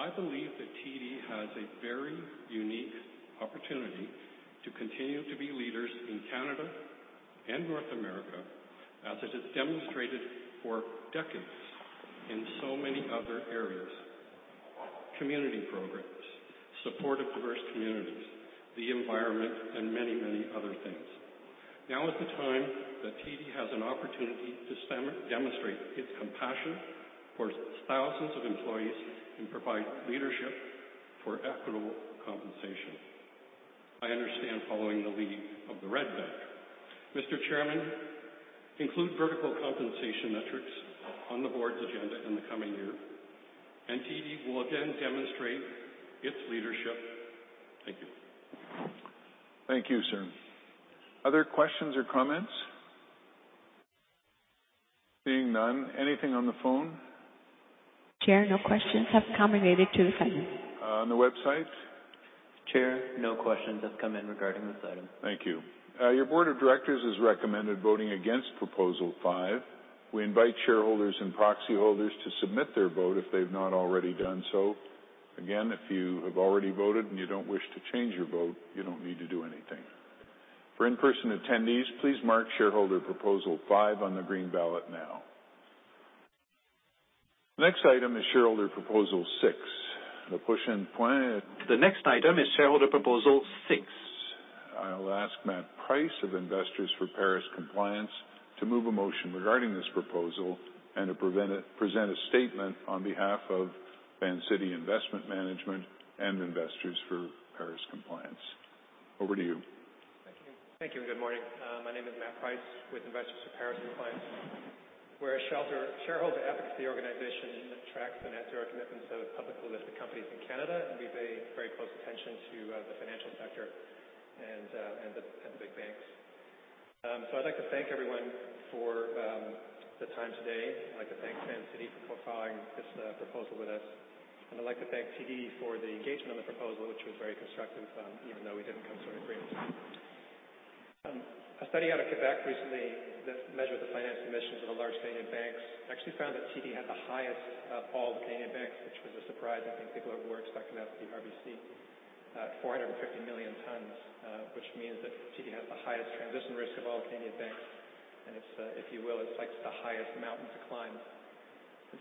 I believe that TD has a very unique opportunity to continue to be leaders in Canada and North America, as it has demonstrated for decades in so many other areas: community programs, support of diverse communities, the environment, and many, many other things. Now is the time that TD has an opportunity to demonstrate its compassion for thousands of employees and provide leadership for equitable compensation. I understand following the lead of the Royal Bank. Mr. Chairman, include vertical compensation metrics on the board's agenda in the coming year, and TD will again demonstrate its leadership. Thank you. Thank you, sir. Other questions or comments? Seeing none, anything on the phone? Chair, no questions have come related to this item. On the website? Chair, no questions have come in regarding this item. Thank you. Your board of directors has recommended voting against proposal 5. We invite shareholders and proxy holders to submit their vote if they've not already done so. If you have already voted and you don't wish to change your vote, you don't need to do anything. For in-person attendees, please mark shareholder proposal 5 on the green ballot now. The next item is shareholder proposal 6. The push and plan- The next item is shareholder proposal six. I'll ask Matt Price of Investors for Paris Compliance to move a motion regarding this proposal and to present a statement on behalf of Vancity Investment Management and Investors for Paris Compliance. Over to you. Thank you. Thank you, and good morning. My name is Matt Price, with Investors for Paris Compliance. We're a shareholder advocacy organization that tracks the net zero commitments of publicly listed companies in Canada, and we pay very close attention to the financial sector and the big banks. I'd like to thank everyone for the time today. I'd like to thank Vancity for filing this proposal with us. I'd like to thank TD for the engagement on the proposal, which was very constructive, even though we didn't come to an agreement. A study out of Quebec recently that measured the financed emissions of the large Canadian banks actually found that TD had the highest of all the Canadian banks, which was a surprise. I think people were expecting that to be RBC. 450 million tons, which means that TD has the highest transition risk of all Canadian banks. It's, if you will, it's like the highest mountain to climb.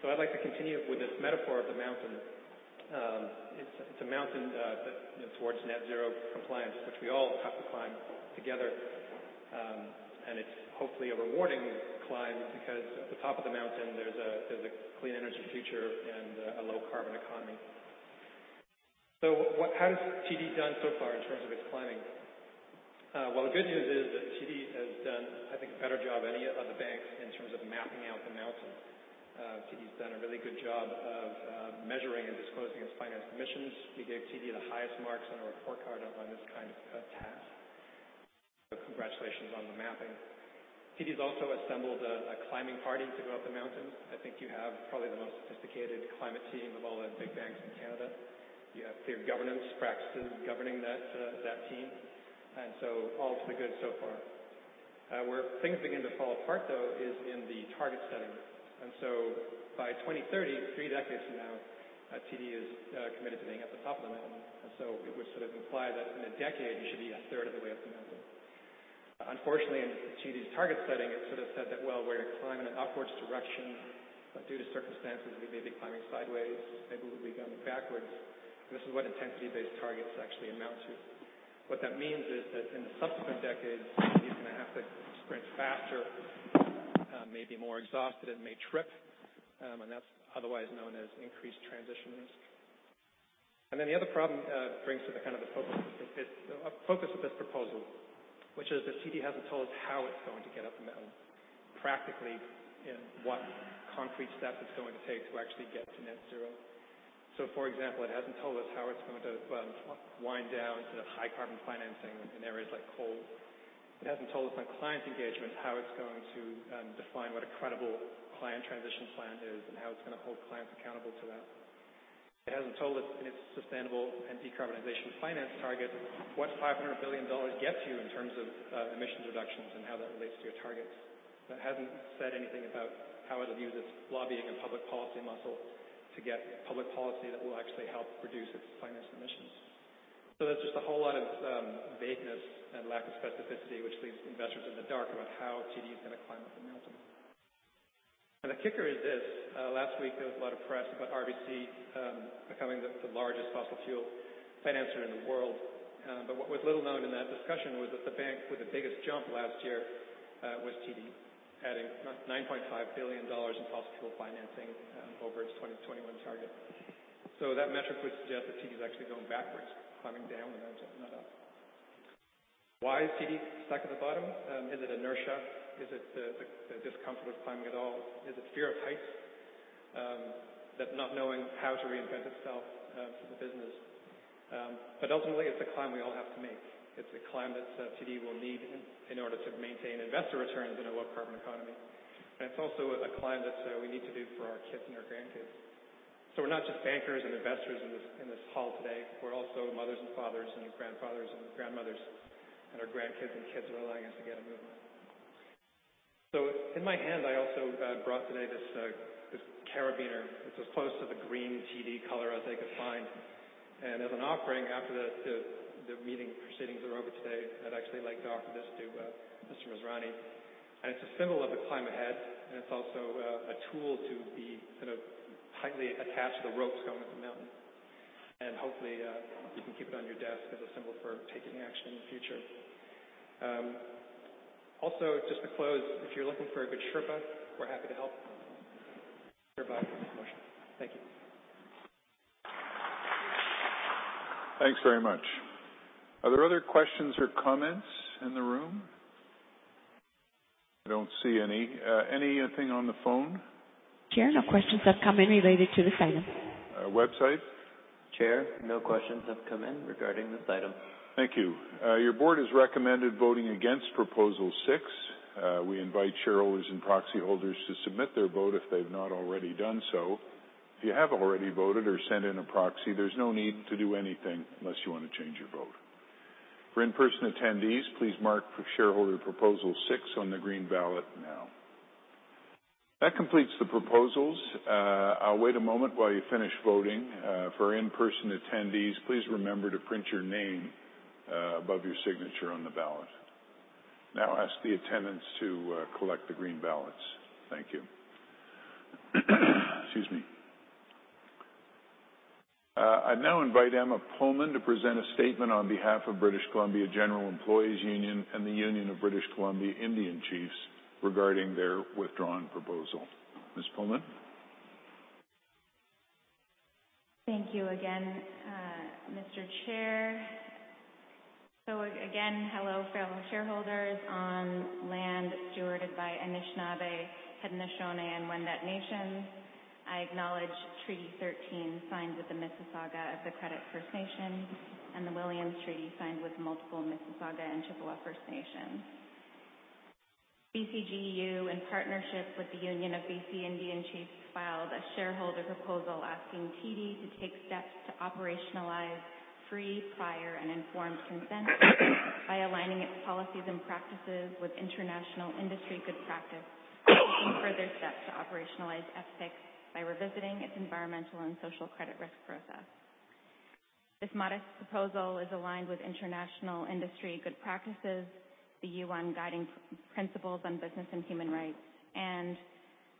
I'd like to continue with this metaphor of the mountain. It's a mountain that, towards net zero compliance, which we all have to climb together. It's hopefully a rewarding climb because at the top of the mountain there's a clean energy future and a low carbon economy. How has TD done so far in terms of its climbing? Well, the good news is that TD has done, I think, a better job any other banks in terms of mapping out the mountain. TD's done a really good job of measuring and disclosing its financed emissions. We gave TD the highest marks on a report card on this kind of task. Congratulations on the mapping. TD's also assembled a climbing party to go up the mountain. I think you have probably the most sophisticated climate team of all the big banks in Canada. You have clear governance practices governing that team. All is looking good so far. Where things begin to fall apart, though, is in the target setting. By 2030, three decades from now, TD is committed to being at the top of the mountain. It would sort of imply that in one decade you should be a third of the way up the mountain. In TD's target setting, it sort of said that, "Well, we're climbing an upwards direction, but due to circumstances, we may be climbing sideways, maybe we'll be going backwards." This is what intensity-based targets actually amount to. What that means is that in the subsequent decades, TD's gonna have to sprint faster, may be more exhausted, and may trip. That's otherwise known as increased transition risk. The other problem brings to the kind of the focus of this proposal, which is that TD hasn't told us how it's going to get up the mountain, practically in what concrete steps it's going to take to actually get to net zero. For example, it hasn't told us how it's going to wind down sort of high carbon financing in areas like coal. It hasn't told us on client engagements, how it's going to define what a credible client transition plan is and how it's gonna hold clients accountable to that. It hasn't told us in its sustainable and decarbonization finance target what 500 billion dollars gets you in terms of emissions reductions and how that relates to your targets. It hasn't said anything about how it'll use its lobbying and public policy muscle to get public policy that will actually help reduce its financed emissions. That's just a whole lot of vagueness and lack of specificity, which leaves investors in the dark about how TD is gonna climb up the mountain. The kicker is this, last week, there was a lot of press about RBC becoming the largest fossil fuel financier in the world. What was little known in that discussion was that the bank with the biggest jump last year, was TD, adding 9.5 billion dollars in fossil fuel financing over its 2021 target. That metric would suggest that TD is actually going backwards, climbing down the mountain, not up. Why is TD stuck at the bottom? Is it inertia? Is it the discomfort with climbing at all? Is it fear of heights? Not knowing how to reinvent itself as a business. Ultimately, it's a climb we all have to make. It's a climb that TD will need in order to maintain investor returns in a low carbon economy. It's also a climb that we need to do for our kids and our grandkids. We're not just bankers and investors in this, in this hall today, we're also mothers and fathers and grandfathers and grandmothers, and our grandkids and kids are allowing us to get a movement. In my hand, I also brought today this carabiner. It's as close to the green TD color as I could find. As an offering after the, the meeting proceedings are over today, I'd actually like to offer this to Mr. Masrani. It's a symbol of the climb ahead, and it's also a tool to be kind of tightly attached to the ropes going up the mountain. Hopefully, you can keep it on your desk as a symbol for taking action in the future. Also, just to close, if you're looking for a good Sherpa, we're happy to help. Sherpa Asset Management. Thank you. Thanks very much. Are there other questions or comments in the room? I don't see any. anything on the phone? Chair, no questions have come in related to this item. Website? Chair, no questions have come in regarding this item. Thank you. Your board has recommended voting against proposal 6. We invite shareholders and proxy holders to submit their vote if they've not already done so. If you have already voted or sent in a proxy, there's no need to do anything unless you wanna change your vote. For in-person attendees, please mark shareholder proposal 6 on the green ballot now. That completes the proposals. I'll wait a moment while you finish voting. For in-person attendees, please remember to print your name above your signature on the ballot. Now I'll ask the attendants to collect the green ballots. Thank you. Excuse me. I now invite Emma Pullman to present a statement on behalf of British Columbia General Employees' Union and the Union of British Columbia Indian Chiefs regarding their withdrawn proposal. Ms. Pullman. Thank you again, Mr. Chair. Again, hello, fellow shareholders on land stewarded by Anishinaabe, Haudenosaunee, and Wendat Nations. I acknowledge Treaty 13, signed with the Mississaugas of the Credit First Nation, and the Williams Treaties signed with multiple Mississauga and Chippewa First Nations. BCGEU, in partnership with the Union of BC Indian Chiefs, filed a shareholder proposal asking TD to take steps to operationalize free, prior, and informed consent by aligning its policies and practices with international industry good practice and taking further steps to operationalize FPIC by revisiting its environmental and social credit risk process. This modest proposal is aligned with international industry good practices, the UN Guiding Principles on Business and Human Rights, and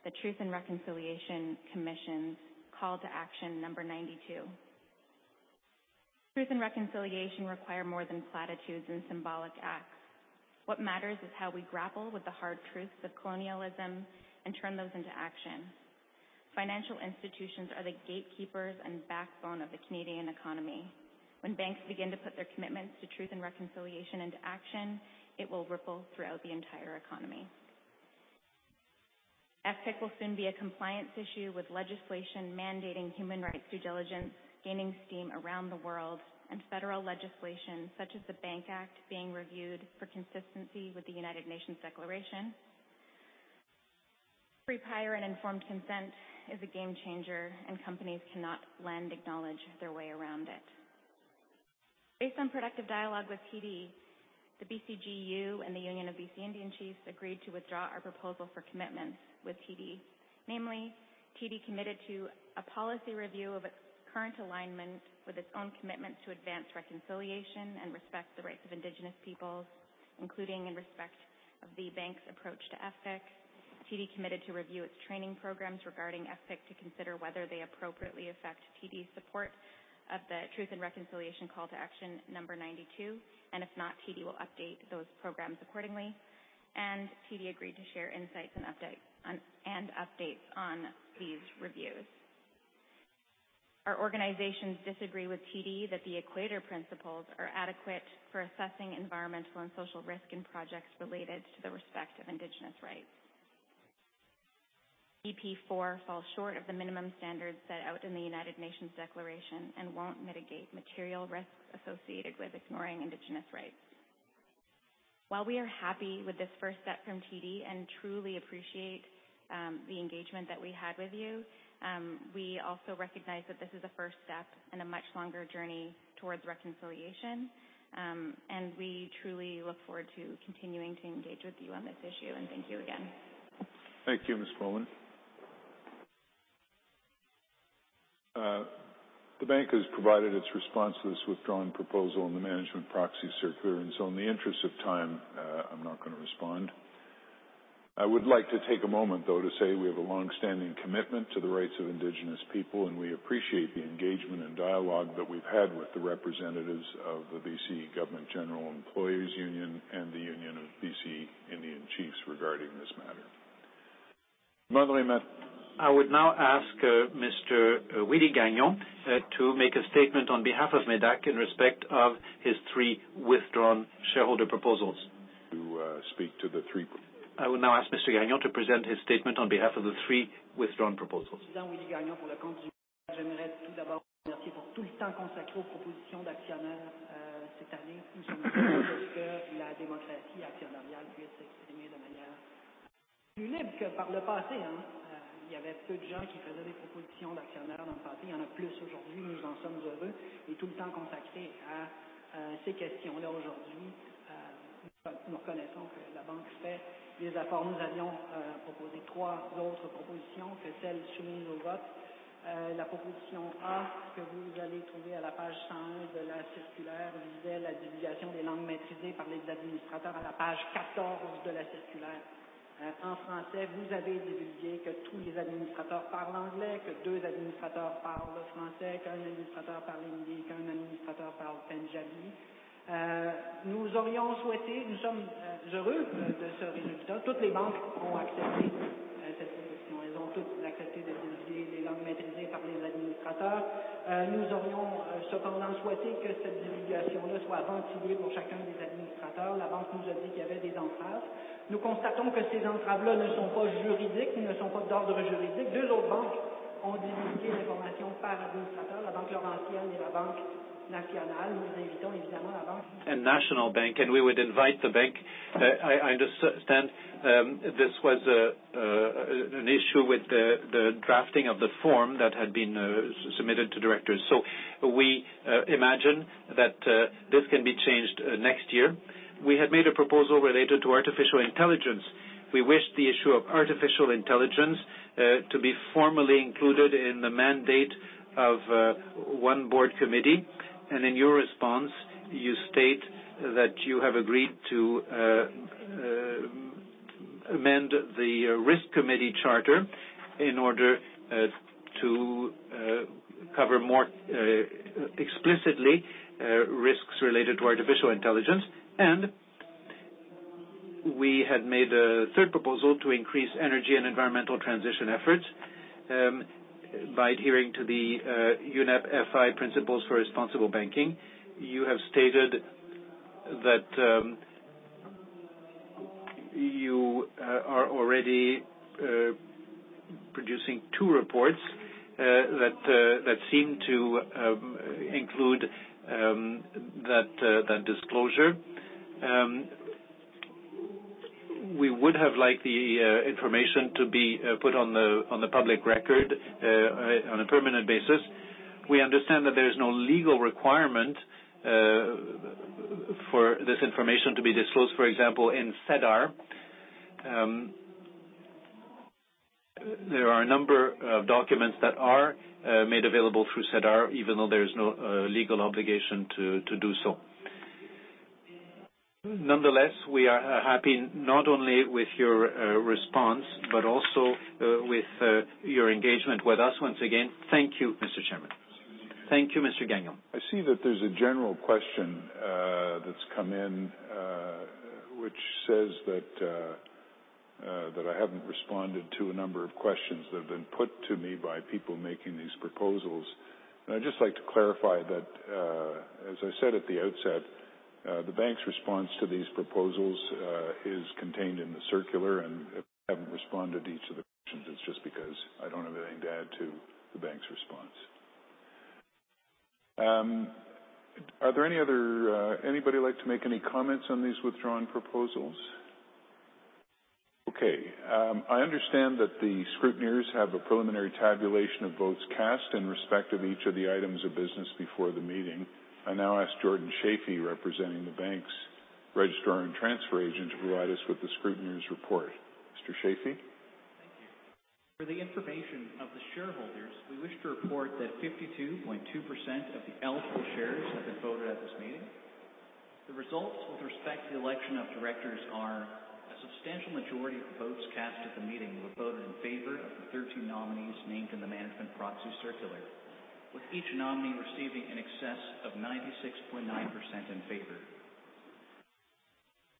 the Truth and Reconciliation Commission's Call to Action number 92. Truth and reconciliation require more than platitudes and symbolic acts. What matters is how we grapple with the hard truths of colonialism and turn those into action. Financial institutions are the gatekeepers and backbone of the Canadian economy. When banks begin to put their commitments to truth and reconciliation into action, it will ripple throughout the entire economy. FPIC will soon be a compliance issue, with legislation mandating human rights due diligence gaining steam around the world and federal legislation such as the Bank Act being reviewed for consistency with the United Nations Declaration. Free, prior, and informed consent is a game changer, and companies cannot lend acknowledge their way around it. Based on productive dialogue with TD, the BCGEU and the Union of BC Indian Chiefs agreed to withdraw our proposal for commitments with TD. Namely, TD committed to a policy review of its current alignment with its own commitment to advance reconciliation and respect the rights of Indigenous Peoples, including in respect of the bank's approach to FPIC. TD committed to review its training programs regarding FPIC to consider whether they appropriately affect TD's support of the Truth and Reconciliation Commission Call to Action 92. If not, TD will update those programs accordingly. TD agreed to share insights and updates on these reviews. Our organizations disagree with TD that the Equator Principles are adequate for assessing environmental and social risk in projects related to the respect of Indigenous rights. EP4 falls short of the minimum standards set out in the United Nations Declaration and won't mitigate material risks associated with ignoring Indigenous rights. While we are happy with this first step from TD and truly appreciate the engagement that we had with you, we also recognize that this is a first step in a much longer journey towards reconciliation. We truly look forward to continuing to engage with you on this issue. Thank you again. Thank you, Ms. Pullman. The bank has provided its response to this withdrawn proposal in the management proxy circular, and so in the interest of time, I'm not gonna respond. I would like to take a moment, though, to say we have a long-standing commitment to the rights of Indigenous people, and we appreciate the engagement and dialogue that we've had with the representatives of the B.C. Government General Employees Union and the Union of B.C. Indian Chiefs regarding this matter. I would now ask Mr. Willie Gagnon to make a statement on behalf of MÉDAC in respect of his three withdrawn shareholder proposals. To speak to the three- I will now ask Mr. Gagnon to present his statement on behalf of the three withdrawn proposals. National Bank. We would invite the bank. I understand this was an issue with the drafting of the form that had been submitted to directors. We imagine that this can be changed next year. We had made a proposal related to artificial intelligence. We wish the issue of artificial intelligence to be formally included in the mandate of one board committee. In your response, you state that you have agreed to amend the risk committee charter in order to cover more explicitly risks related to artificial intelligence. We had made a third proposal to increase energy and environmental transition efforts, by adhering to the UNEP FI Principles for Responsible Banking. You have stated that you are already producing two reports that that seem to include that disclosure. We would have liked the information to be put on the public record on a permanent basis. We understand that there is no legal requirement for this information to be disclosed. For example, in SEDAR, there are a number of documents that are made available through SEDAR even though there's no legal obligation to do so. We are happy not only with your response but also with your engagement with us once again. Thank you, Mr. Chairman. Thank you, Mr. Gagnon. I see that there's a general question that's come in, which says that I haven't responded to a number of questions that have been put to me by people making these proposals. I'd just like to clarify that, as I said at the outset, the bank's response to these proposals is contained in the circular, and if I haven't responded to each of the questions, it's just because I don't have anything to add to the bank's response. Are there any other, anybody like to make any comments on these withdrawn proposals? Okay. I understand that the scrutineers have a preliminary tabulation of votes cast in respect of each of the items of business before the meeting. I now ask Jordan Shafie, representing the bank's registrar and transfer agent, to provide us with the scrutineers report. Mr. Shafie. Thank you. For the information of the shareholders, we wish to report that 52.2% of the eligible shares have been voted at this meeting. The results with respect to the election of directors are a substantial majority of votes cast at the meeting were voted in favor of the 13 nominees named in the management proxy circular, with each nominee receiving in excess of 96.9% in favor.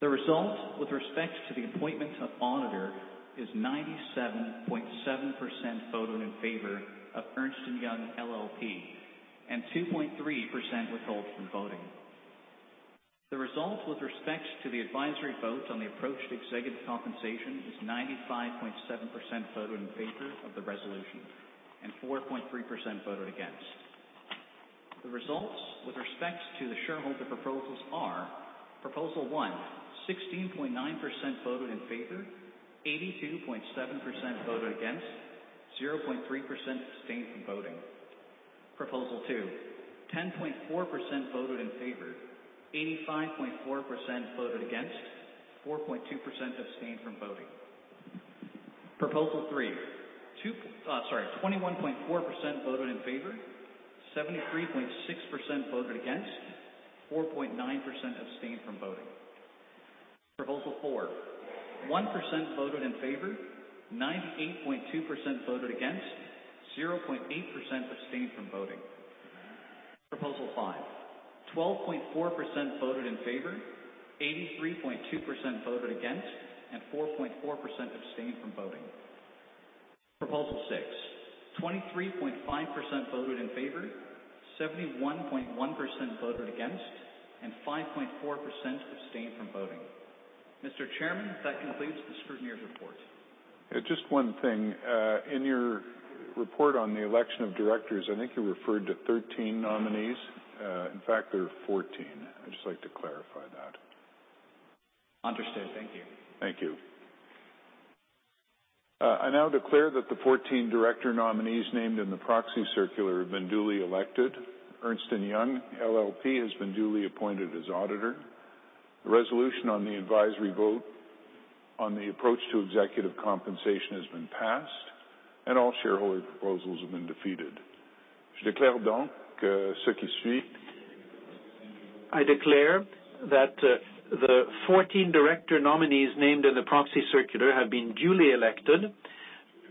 The result with respect to the appointment of auditor is 97.7% voted in favor of Ernst & Young LLP, and 2.3% withheld from voting. The result with respects to the advisory vote on the approached executive compensation is 95.7% voted in favor of the resolution and 4.3% voted against. The results with respects to the shareholder proposals are: Proposal 1, 16.9% voted in favor, 82.7% voted against, 0.3% abstained from voting. Proposal 2, 10.4% voted in favor, 85.4% voted against, 4.2% abstained from voting. Proposal 3, 21.4% voted in favor, 73.6% voted against, 4.9% abstained from voting. Proposal 4, 1% voted in favor, 98.2% voted against, 0.8% abstained from voting. Proposal 5, 12.4% voted in favor, 83.2% voted against, and 4.4% abstained from voting. Proposal 6, 23.5% voted in favor, 71.1% voted against, and 5.4% abstained from voting. Mr. Chairman, that concludes the scrutineer's report. Just one thing. In your report on the election of directors, I think you referred to 13 nominees. In fact, there are 14. I'd just like to clarify that. Understood. Thank you. Thank you. I now declare that the 14 director nominees named in the proxy circular have been duly elected. Ernst & Young LLP has been duly appointed as auditor. The resolution on the advisory vote on the approach to executive compensation has been passed. All shareholder proposals have been defeated. I declare that the 14 director nominees named in the proxy circular have been duly elected.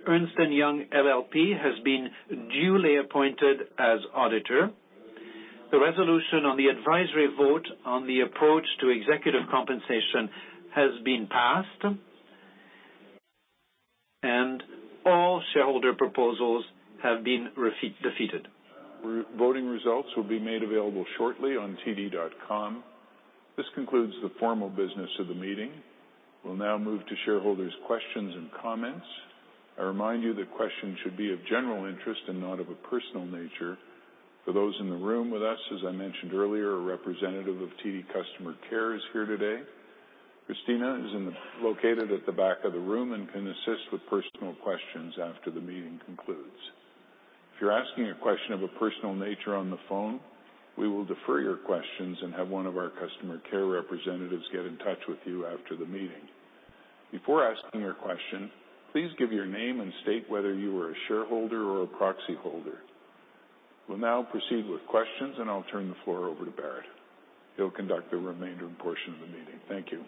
Ernst & Young LLP has been duly appointed as auditor. The resolution on the advisory vote on the approach to executive compensation has been passed, and all shareholder proposals have been defeated. Voting results will be made available shortly on td.com. This concludes the formal business of the meeting. We'll now move to shareholders questions and comments. I remind you that questions should be of general interest and not of a personal nature. For those in the room with us, as I mentioned earlier, a representative of TD Customer Care is here today. Christina is located at the back of the room and can assist with personal questions after the meeting concludes. If you're asking a question of a personal nature on the phone, we will defer your questions and have one of our customer care representatives get in touch with you after the meeting. Before asking your question, please give your name and state whether you are a shareholder or a proxy holder. We'll now proceed with questions, and I'll turn the floor over to Bharat. He'll conduct the remainder and portion of the meeting. Thank you.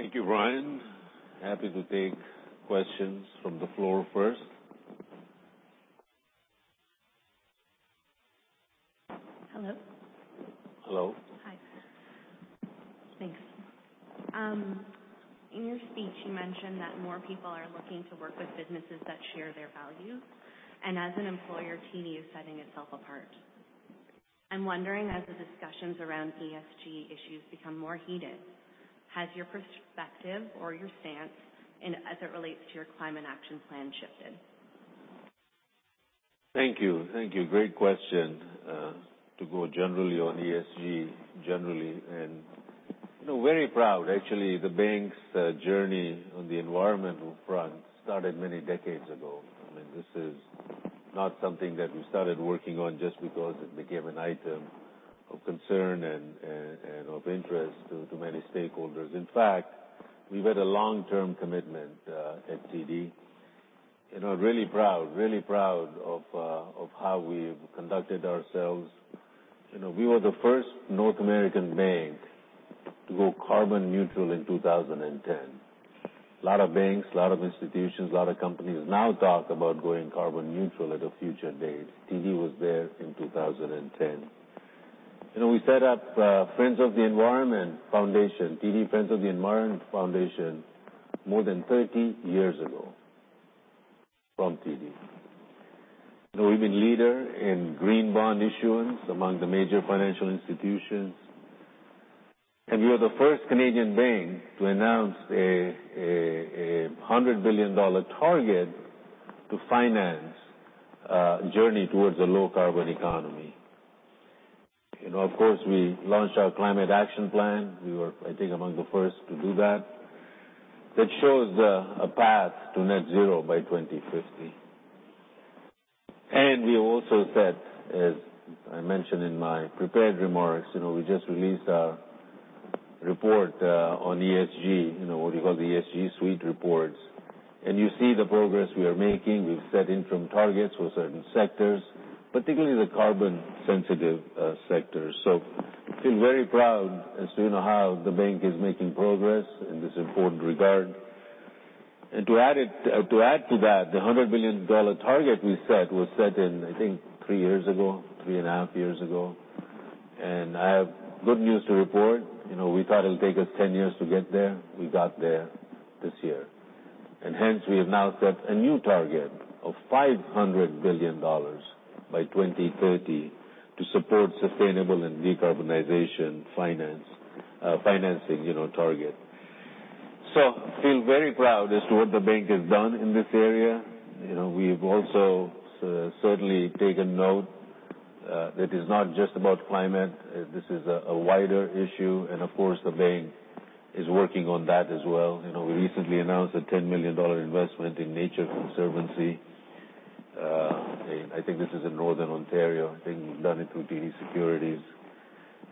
Thank you, Brian. Happy to take questions from the floor first. Hello. Hello. Hi. Thanks. In your speech, you mentioned that more people are looking to work with businesses that share their values, and as an employer, TD is setting itself apart. I'm wondering, as the discussions around ESG issues become more heated, has your perspective or your stance and as it relates to your climate action plan shifted? Thank you. Thank you. Great question. To go generally on ESG, generally, and, you know, very proud. Actually, the bank's journey on the environmental front started many decades ago. I mean, this is not something that we started working on just because it became an item of concern and of interest to many stakeholders. In fact, we've had a long-term commitment at TD, you know, really proud of how we've conducted ourselves. You know, we were the first North American bank to go carbon neutral in 2010. A lot of banks, a lot of institutions, a lot of companies now talk about going carbon neutral at a future date. TD was there in 2010. You know, we set up Friends of the Environment Foundation, TD Friends of the Environment Foundation more than 30 years ago from TD. You know, we've been leader in green bond issuance among the major financial institutions. We are the first Canadian bank to announce a CAD 100 billion target to finance journey towards a low carbon economy. You know, of course, we launched our climate action plan. We were, I think, among the first to do that. That shows a path to net zero by 2050. We also set, as I mentioned in my prepared remarks, you know, we just released our report on ESG. You know, what we call the ESG Suite reports. You see the progress we are making. We've set interim targets for certain sectors, particularly the carbon sensitive sectors. Feel very proud as to how the bank is making progress in this important regard. To add to that, the 100 billion dollar target we set was set in, I think three years ago, three and a half years ago. I have good news to report. You know, we thought it would take us 10 years to get there. We got there this year. Hence, we have now set a new target of 500 billion dollars by 2030 to support sustainable and decarbonization finance, financing, you know, target. I feel very proud as to what the bank has done in this area. You know, we've also certainly taken note that is not just about climate, this is a wider issue and of course, the bank is working on that as well. You know, we recently announced a $10 million investment in The Nature Conservancy. I think this is in Northern Ontario. I think we've done it through TD Securities.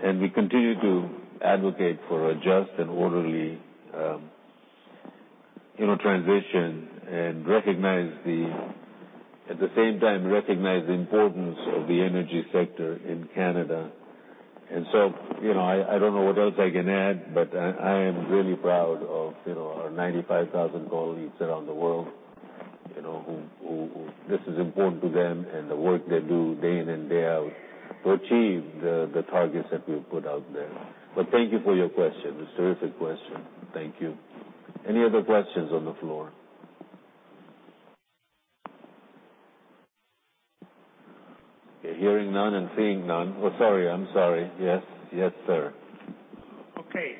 We continue to advocate for a just and orderly, you know, transition and at the same time, recognize the importance of the energy sector in Canada. You know, I don't know what else I can add, but I am really proud of, you know, our 95,000 colleagues around the world, you know, who this is important to them and the work they do day in and day out to achieve the targets that we've put out there. Thank you for your question. It's a terrific question. Thank you. Any other questions on the floor? Okay, hearing none and seeing none. Oh, sorry. I'm sorry. Yes. Yes, sir. Okay.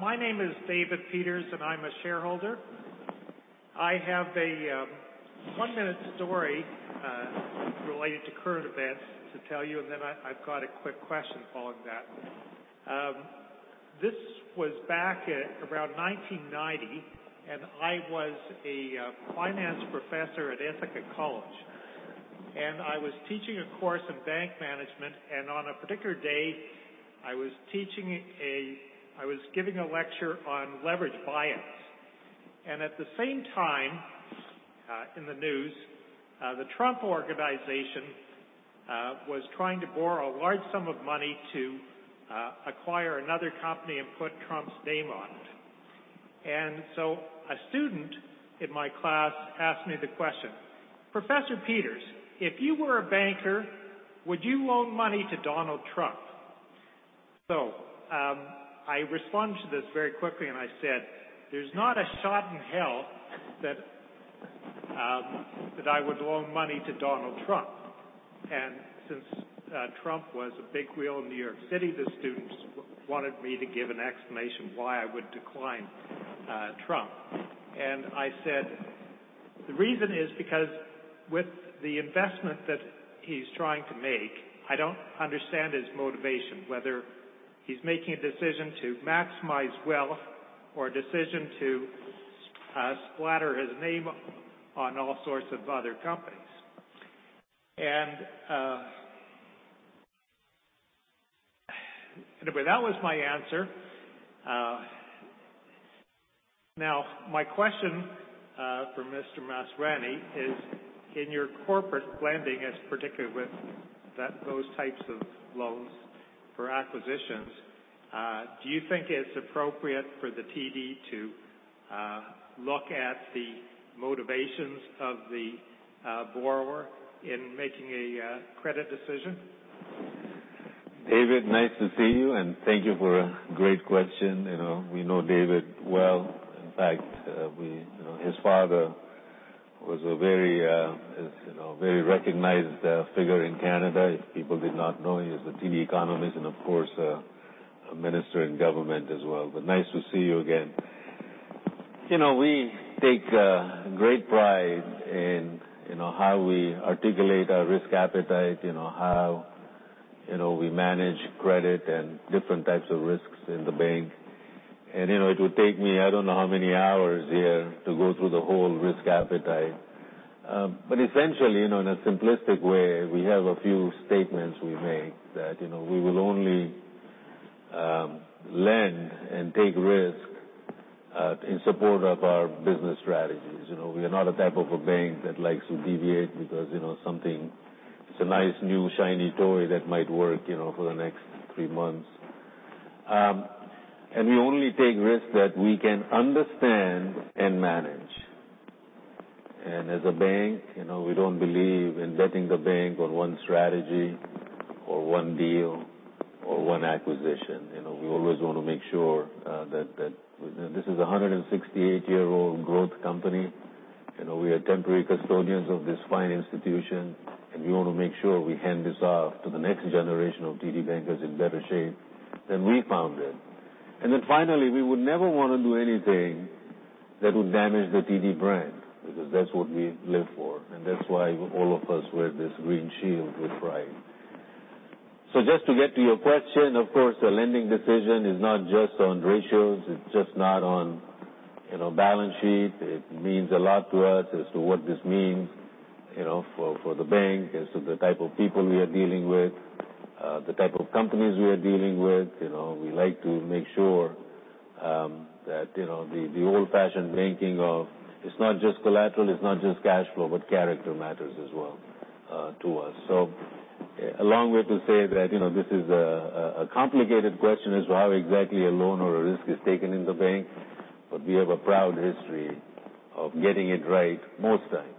My name is David Peters, and I'm a shareholder. I have a one-minute story related to current events to tell you, and then I've got a quick question following that. This was back at around 1990, and I was a finance professor at Ithaca College. I was giving a lecture on leverage buyers. At the same time, in the news, the Trump Organization was trying to borrow a large sum of money to acquire another company and put Trump's name on it. A student in my class asked me the question: "Professor Peters, if you were a banker, would you loan money to Donald Trump?" I responded to this very quickly and I said, "There's not a shot in hell that I would loan money to Donald Trump." Since Trump was a big wheel in New York City, the students wanted me to give an explanation why I would decline Trump. I said, "The reason is because with the investment that he's trying to make, I don't understand his motivation, whether he's making a decision to maximize wealth or a decision to splatter his name on all sorts of other companies." Anyway, that was my answer. Now, my question for Mr. Masrani is, in your corporate lending, as particularly with those types of loans for acquisitions, do you think it's appropriate for the TD to look at the motivations of the borrower in making a credit decision? David, nice to see you, and thank you for a great question. You know, we know David well. In fact, we, you know, his father was a very, is, you know, a very recognized figure in Canada. If people did not know, he was the TD economist and, of course, a minister in government as well. Nice to see you again. You know, we take great pride in, you know, how we articulate our risk appetite. You know, how, you know, we manage credit and different types of risks in the bank. You know, it would take me I don't know how many hours here to go through the whole risk appetite. Essentially, you know, in a simplistic way, we have a few statements we make that, you know, we will only lend and take risk in support of our business strategies. You know, we are not a type of a bank that likes to deviate because, you know, something, it's a nice, new, shiny toy that might work, you know, for the next three months. We only take risks that we can understand and manage. As a bank, you know, we don't believe in betting the bank on one strategy or one deal or one acquisition. You know, we always wanna make sure that. This is a 168-year-old growth company. You know, we are temporary custodians of this fine institution, and we wanna make sure we hand this off to the next generation of TD bankers in better shape than we found it. Finally, we would never wanna do anything that would damage the TD brand because that's what we live for, and that's why all of us wear this green shield with pride. Just to get to your question, of course, a lending decision is not just on ratios. It's just not on, you know, balance sheet. It means a lot to us as to what this means, you know, for the bank, as to the type of people we are dealing with, the type of companies we are dealing with. You know, we like to make sure that, you know, the old-fashioned banking of it's not just collateral, it's not just cash flow, but character matters as well to us. A long way to say that, you know, this is a complicated question as to how exactly a loan or a risk is taken in the bank, but we have a proud history of getting it right most times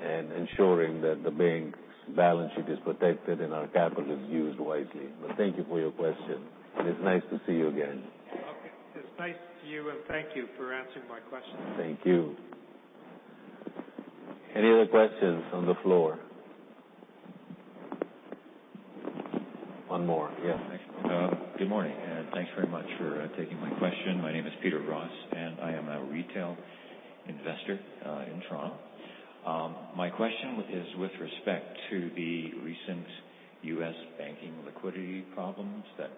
and ensuring that the bank's balance sheet is protected and our capital is used wisely. Thank you for your question, and it's nice to see you again. Okay. It's nice to you, and thank you for answering my question. Thank you. Any other questions on the floor? One more. Yes. Good morning, thanks very much for taking my question. My name is Peter Ross, I am a retail investor in Toronto. My question is with respect to the recent U.S. banking liquidity problems that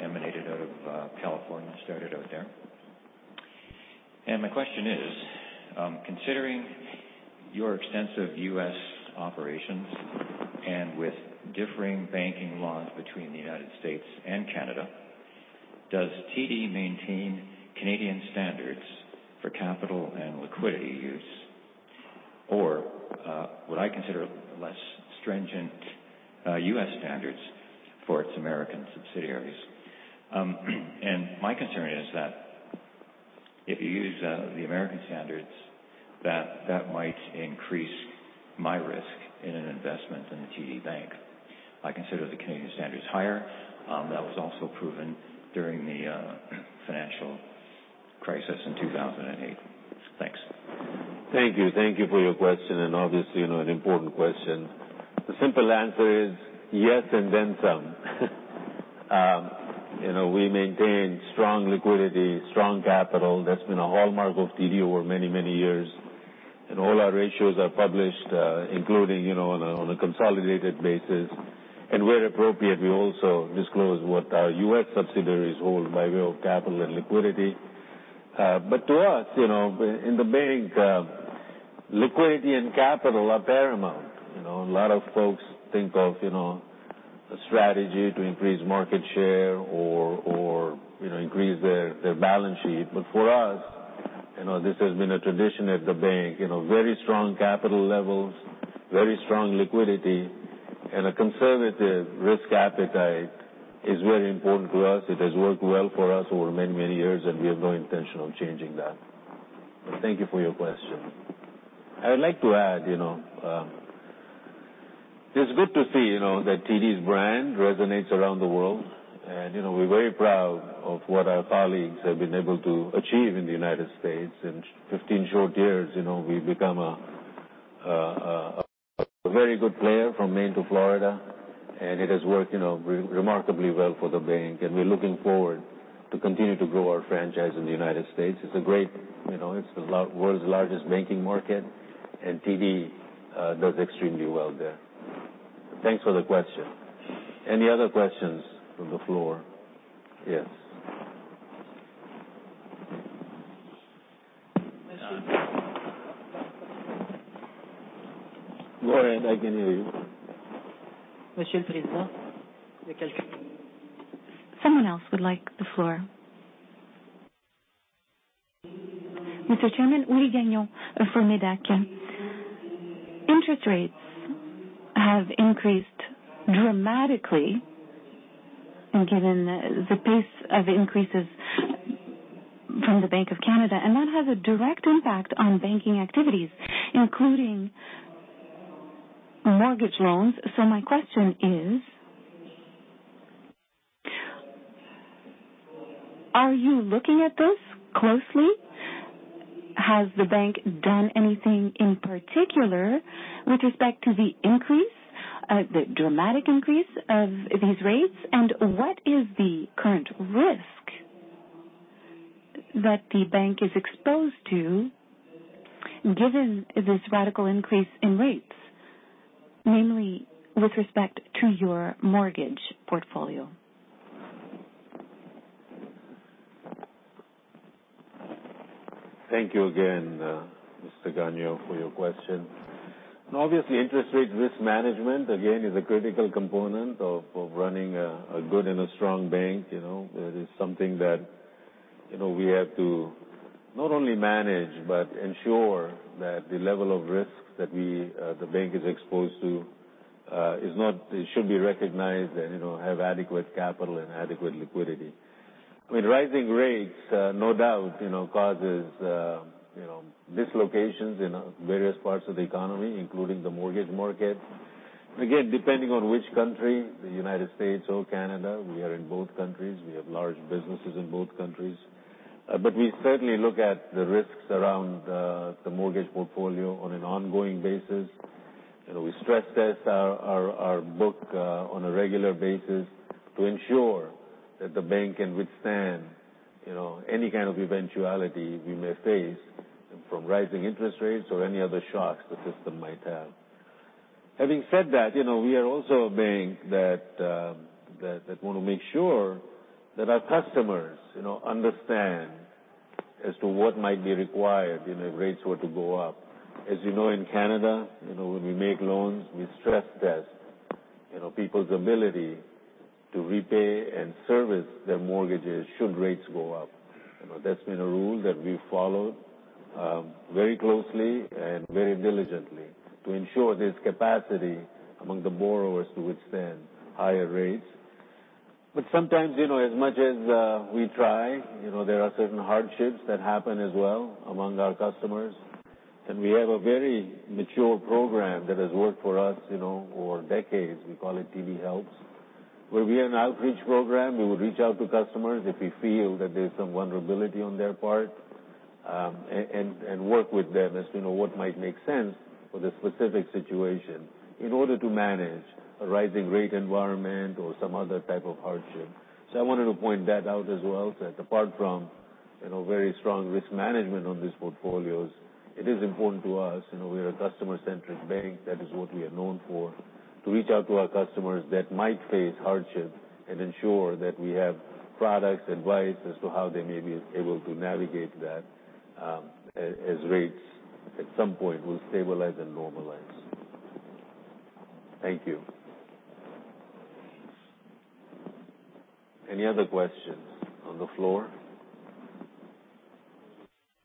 emanated out of California, started out there. My question is, considering your extensive U.S. operations and with differing banking laws between the United States and Canada, does TD maintain Canadian standards for capital and liquidity use? What I consider less stringent U.S. standards for its American subsidiaries. My concern is that if you use the American standards, that might increase my risk in an investment in the TD Bank. I consider the Canadian standards higher, that was also proven during the financial crisis in 2008. Thanks. Thank you. Thank you for your question. Obviously, you know, an important question. The simple answer is yes, and then some. You know, we maintain strong liquidity, strong capital. That's been a hallmark of TD over many, many years. All our ratios are published, including, you know, on a consolidated basis. Where appropriate, we also disclose what our U.S. subsidiaries hold by way of capital and liquidity. To us, you know, in the bank, liquidity and capital are paramount. You know, a lot of folks think of, you know, a strategy to increase market share or, you know, increase their balance sheet. For us, you know, this has been a tradition at the bank, you know, very strong capital levels, very strong liquidity, and a conservative risk appetite is very important to us. It has worked well for us over many, many years, and we have no intention of changing that. Thank you for your question. I would like to add, you know, it's good to see, you know, that TD's brand resonates around the world. You know, we're very proud of what our colleagues have been able to achieve in the United States. In 15 short years, you know, we've become a very good player from Maine to Florida, and it has worked, you know, remarkably well for the bank. We're looking forward to continue to grow our franchise in the United States. It's a great, you know, it's the world's largest banking market, and TD does extremely well there. Thanks for the question. Any other questions from the floor? Yes. Louer, I can hear you. Someone else would like the floor. Mr. Chairman, Willie Gagnon for MÉDAC. Interest rates have increased dramatically given the pace of increases from the Bank of Canada, and that has a direct impact on banking activities, including mortgage loans. My question is, are you looking at this closely? Has the bank done anything in particular with respect to the increase, the dramatic increase of these rates? What is the current risk that the bank is exposed to given this radical increase in rates, namely with respect to your mortgage portfolio? Thank you again, Mr. Gagnon, for your question. Obviously, interest rate risk management, again, is a critical component of running a good and a strong bank. You know, it is something that, you know, we have to not only manage, but ensure that the level of risk that we, the bank is exposed to, it should be recognized and, you know, have adequate capital and adequate liquidity. I mean, rising rates, no doubt, you know, causes, you know, dislocations in various parts of the economy, including the mortgage market. Again, depending on which country, the United States or Canada, we are in both countries. We have large businesses in both countries. We certainly look at the risks around the mortgage portfolio on an ongoing basis. You know, we stress test our book on a regular basis to ensure that the bank can withstand, you know, any kind of eventuality we may face from rising interest rates or any other shocks the system might have. Having said that, you know, we are also a bank that want to make sure that our customers, you know, understand as to what might be required, you know, if rates were to go up. As you know in Canada, you know, when we make loans, we stress test, you know, people's ability to repay and service their mortgages should rates go up. You know, that's been a rule that we followed, very closely and very diligently to ensure there's capacity among the borrowers to withstand higher rates. Sometimes, you know, as much as we try, you know, there are certain hardships that happen as well among our customers. We have a very mature program that has worked for us, you know, for decades. We call it TD Helps, where we have an outreach program. We would reach out to customers if we feel that there's some vulnerability on their part, and work with them as to know what might make sense for the specific situation in order to manage a rising rate environment or some other type of hardship. I wanted to point that out as well. Apart from, you know, very strong risk management on these portfolios, it is important to us, you know, we are a customer-centric bank. That is what we are known for. To reach out to our customers that might face hardship and ensure that we have products, advice as to how they may be able to navigate that, as rates at some point will stabilize and normalize. Thank you. Any other questions on the floor?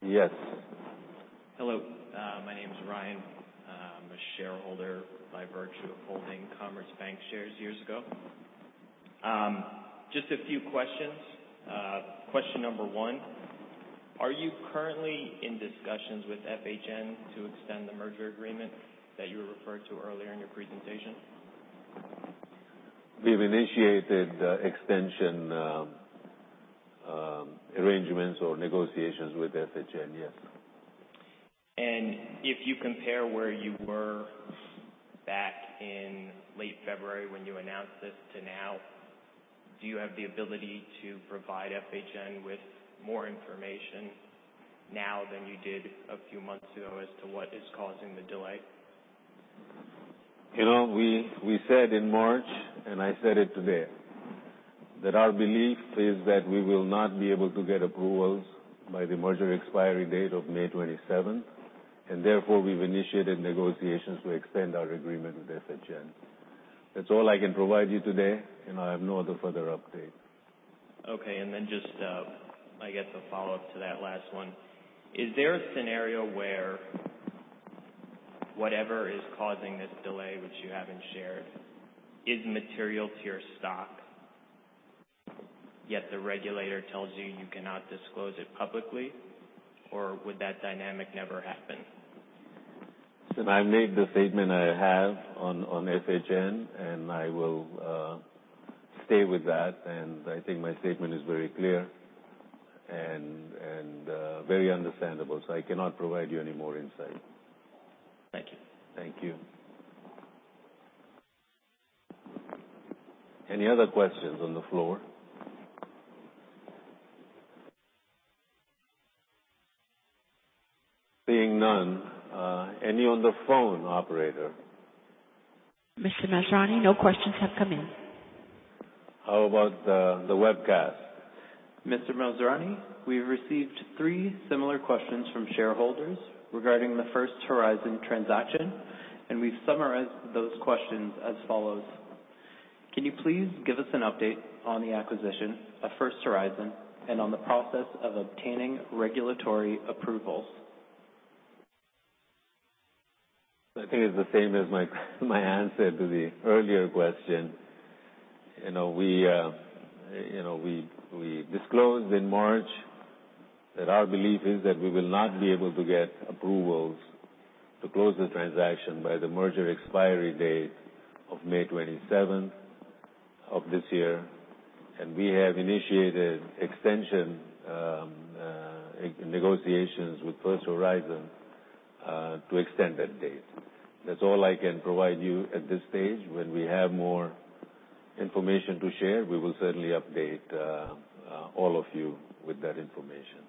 Yes. Hello. My name is Ryan. I'm a shareholder by virtue of holding Commerce Bank shares years ago. Just a few questions. Question number one, are you currently in discussions with FHN to extend the merger agreement that you referred to earlier in your presentation? We've initiated extension arrangements or negotiations with FHN. Yes. If you compare where you were back in late February when you announced this to now, do you have the ability to provide FHN with more information now than you did a few months ago as to what is causing the delay? You know, we said in March, and I said it today, that our belief is that we will not be able to get approvals by the merger expiry date of May 27th, and therefore we've initiated negotiations to extend our agreement with FHN. That's all I can provide you today, and I have no other further update. Okay. Just, I guess a follow-up to that last one. Is there a scenario where whatever is causing this delay, which you haven't shared is material to your stock, yet the regulator tells you you cannot disclose it publicly, or would that dynamic never happen? I've made the statement I have on FHN. I will stay with that. I think my statement is very clear and very understandable. I cannot provide you any more insight. Thank you. Thank you. Any other questions on the floor? Seeing none, any on the phone, operator? Mr. Masrani, no questions have come in. How about the webcast? Mr. Masrani, we've received three similar questions from shareholders regarding the First Horizon transaction, and we've summarized those questions as follows: Can you please give us an update on the acquisition of First Horizon and on the process of obtaining regulatory approvals? I think it's the same as my answer to the earlier question. We disclosed in March that our belief is that we will not be able to get approvals to close the transaction by the merger expiry date of May 27th of this year. We have initiated extension negotiations with First Horizon to extend that date. That's all I can provide you at this stage. When we have more information to share, we will certainly update all of you with that information.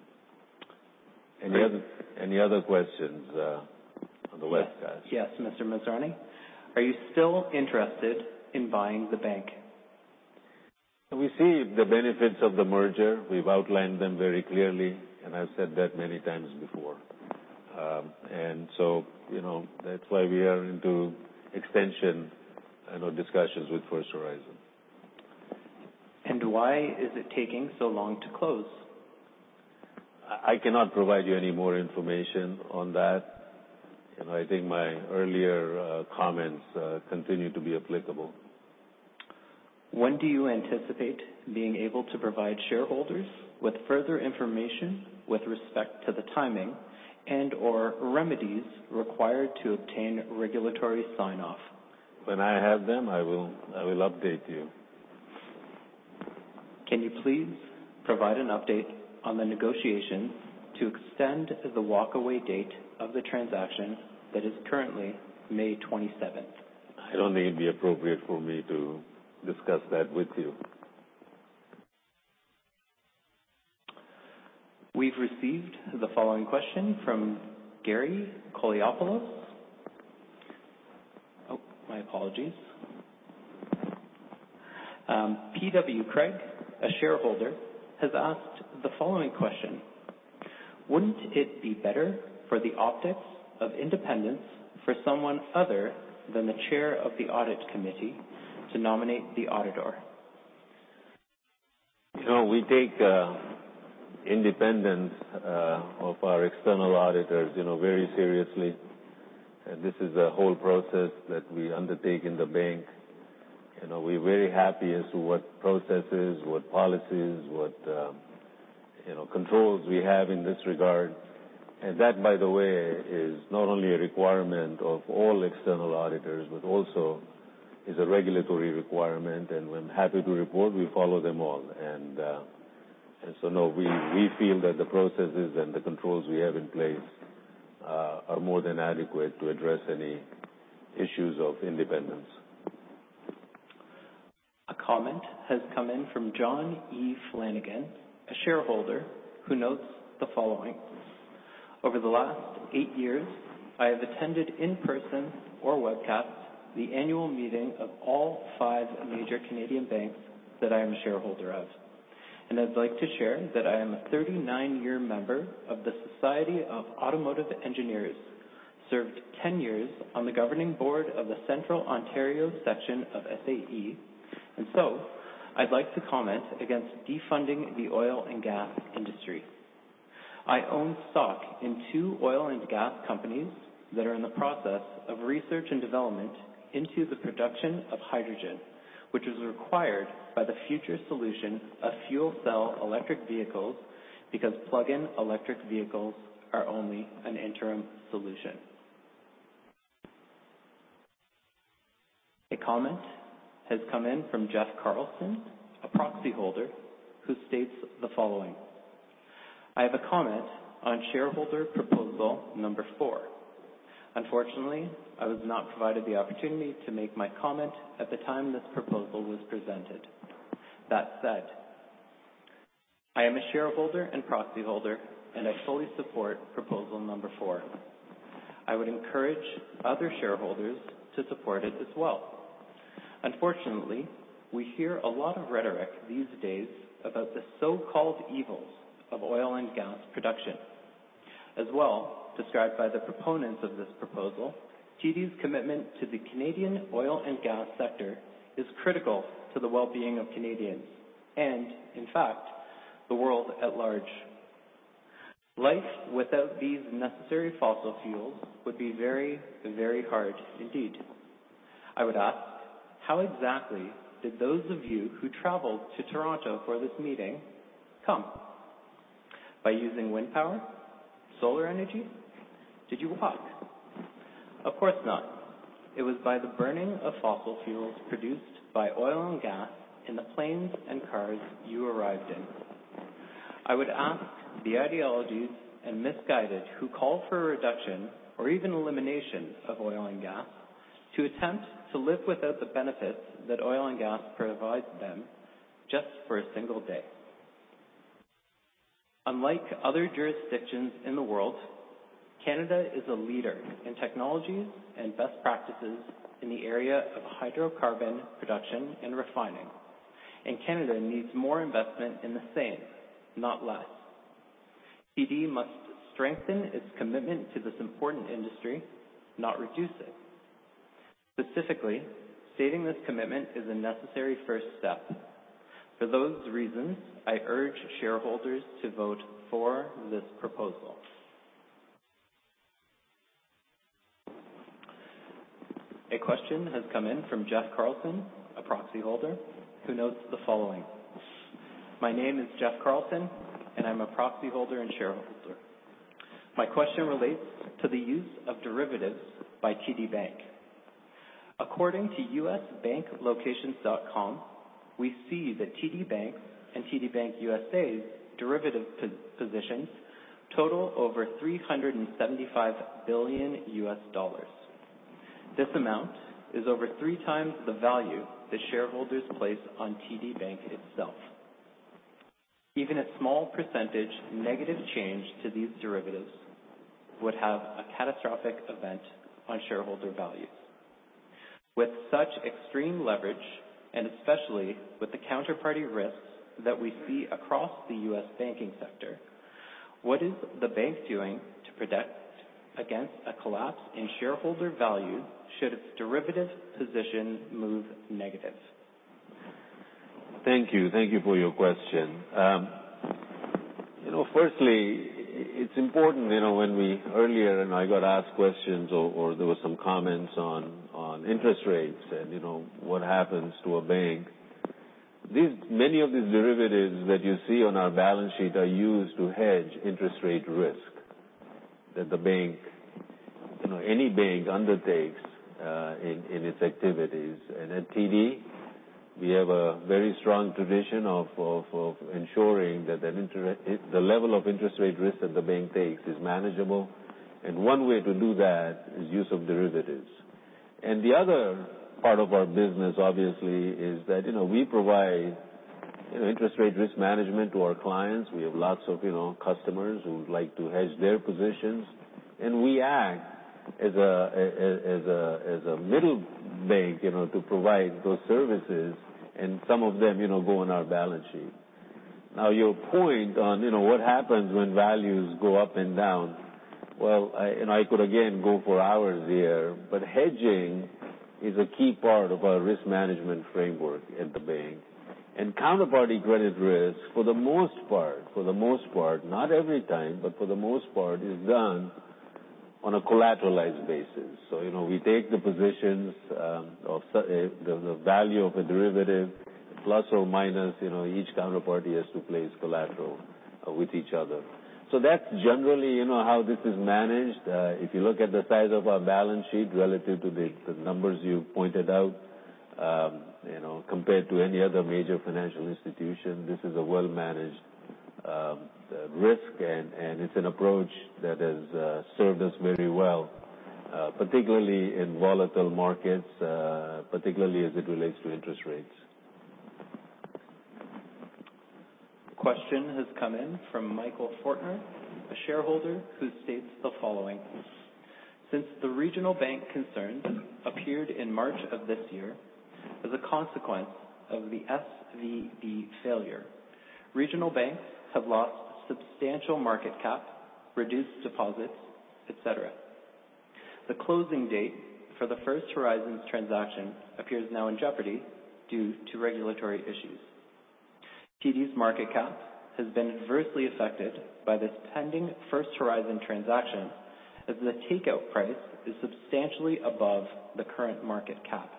Any other questions on the webcast? Yes. Yes, Mr. Masrani. Are you still interested in buying the bank? We see the benefits of the merger. We've outlined them very clearly, and I've said that many times before. You know, that's why we are into extension and on discussions with First Horizon. Why is it taking so long to close? I cannot provide you any more information on that. I think my earlier comments continue to be applicable. When do you anticipate being able to provide shareholders with further information with respect to the timing and/or remedies required to obtain regulatory sign-off? When I have them, I will update you. Can you please provide an update on the negotiations to extend the walkaway date of the transaction that is currently May 27th? I don't think it'd be appropriate for me to discuss that with you. We've received the following question from Gary Coliopoulos. Oh, my apologies. P.W. Craig, a shareholder, has asked the following question: Wouldn't it be better for the optics of independence for someone other than the chair of the audit committee to nominate the auditor? You know, we take independence of our external auditors, you know, very seriously. This is a whole process that we undertake in the bank. You know, we're very happy as to what processes, what policies, what, you know, controls we have in this regard. That, by the way, is not only a requirement of all external auditors, but also is a regulatory requirement. I'm happy to report we follow them all. No, we feel that the processes and the controls we have in place are more than adequate to address any issues of independence. A comment has come in from John E. Flanagan, a shareholder, who notes the following, "Over the last eight years, I have attended in person or webcast the annual meeting of all five major Canadian banks that I am a shareholder of. I'd like to share that I am a 39-year member of the Society of Automotive Engineers, served 10 years on the governing board of the Central Ontario section of SAE. I'd like to comment against defunding the oil and gas industry. I own stock in two oil and gas companies that are in the process of research and development into the production of hydrogen, which is required by the future solution of fuel cell electric vehicles, because plug-in electric vehicles are only an interim solution. A comment has come in from Jeff Carlson, a proxy holder, who states the following: "I have a comment on shareholder proposal number four. Unfortunately, I was not provided the opportunity to make my comment at the time this proposal was presented. That said, I am a shareholder and proxy holder, and I fully support proposal number four. I would encourage other shareholders to support it as well. Unfortunately, we hear a lot of rhetoric these days about the so-called evils of oil and gas production. As well described by the proponents of this proposal, TD's commitment to the Canadian oil and gas sector is critical to the well-being of Canadians and in fact, the world at large. Life without these necessary fossil fuels would be very, very hard indeed. I would ask, how exactly did those of you who traveled to Toronto for this meeting come? By using wind power? Solar energy? Did you walk? Of course not. It was by the burning of fossil fuels produced by oil and gas in the planes and cars you arrived in. I would ask the ideologies and misguided who call for a reduction or even elimination of oil and gas, to attempt to live without the benefits that oil and gas provides them just for a single day. Unlike other jurisdictions in the world, Canada is a leader in technologies and best practices in the area of hydrocarbon production and refining. Canada needs more investment in the same, not less. TD must strengthen its commitment to this important industry, not reduce it. Specifically, stating this commitment is a necessary first step. For those reasons, I urge shareholders to vote for this proposal." A question has come in from Jeff Carlson, a proxy holder, who notes the following, "My name is Jeff Carlson, and I'm a proxy holder and shareholder. My question relates to the use of derivatives by TD Bank. According to usbanklocations.com, we see that TD Bank and TD Bank, N.A.'s derivative positions total over $375 billion. This amount is over three times the value that shareholders place on TD Bank itself. Even a small percentage negative change to these derivatives would have a catastrophic event on shareholder value. With such extreme leverage, especially with the counterparty risks that we see across the U.S. banking sector, what is the bank doing to protect against a collapse in shareholder value should its derivative position move negative? Thank you. Thank you for your question. You know, firstly, it's important, you know, when we earlier and I got asked questions or there were some comments on interest rates and, you know, what happens to a bank. Many of these derivatives that you see on our balance sheet are used to hedge interest rate risk that the bank, you know, any bank undertakes, in its activities. At TD, we have a very strong tradition of ensuring that the level of interest rate risk that the bank takes is manageable. One way to do that is use of derivatives. The other part of our business obviously is that, you know, we provide, you know, interest rate risk management to our clients. We have lots of, you know, customers who like to hedge their positions, and we act as a middle bank, you know, to provide those services, and some of them, you know, go on our balance sheet. Your point on, you know, what happens when values go up and down. I could again go for hours there, but hedging is a key part of our risk management framework at the bank. Counterparty credit risk, for the most part, not every time, but for the most part, is done on a collateralized basis. You know, we take the positions, of the value of a derivative, plus or minus, you know, each counterparty has to place collateral with each other. That's generally, you know, how this is managed. If you look at the size of our balance sheet relative to the numbers you pointed out, you know, compared to any other major financial institution, this is a well-managed risk. It's an approach that has served us very well, particularly in volatile markets, particularly as it relates to interest rates. Question has come in from Michael Fortner, a shareholder who states the following: Since the regional bank concerns appeared in March of this year as a consequence of the SVB failure, regional banks have lost substantial market cap, reduced deposits, et cetera. The closing date for the First Horizon transaction appears now in jeopardy due to regulatory issues. TD's market cap has been adversely affected by this pending First Horizon transaction, as the takeout price is substantially above the current market cap.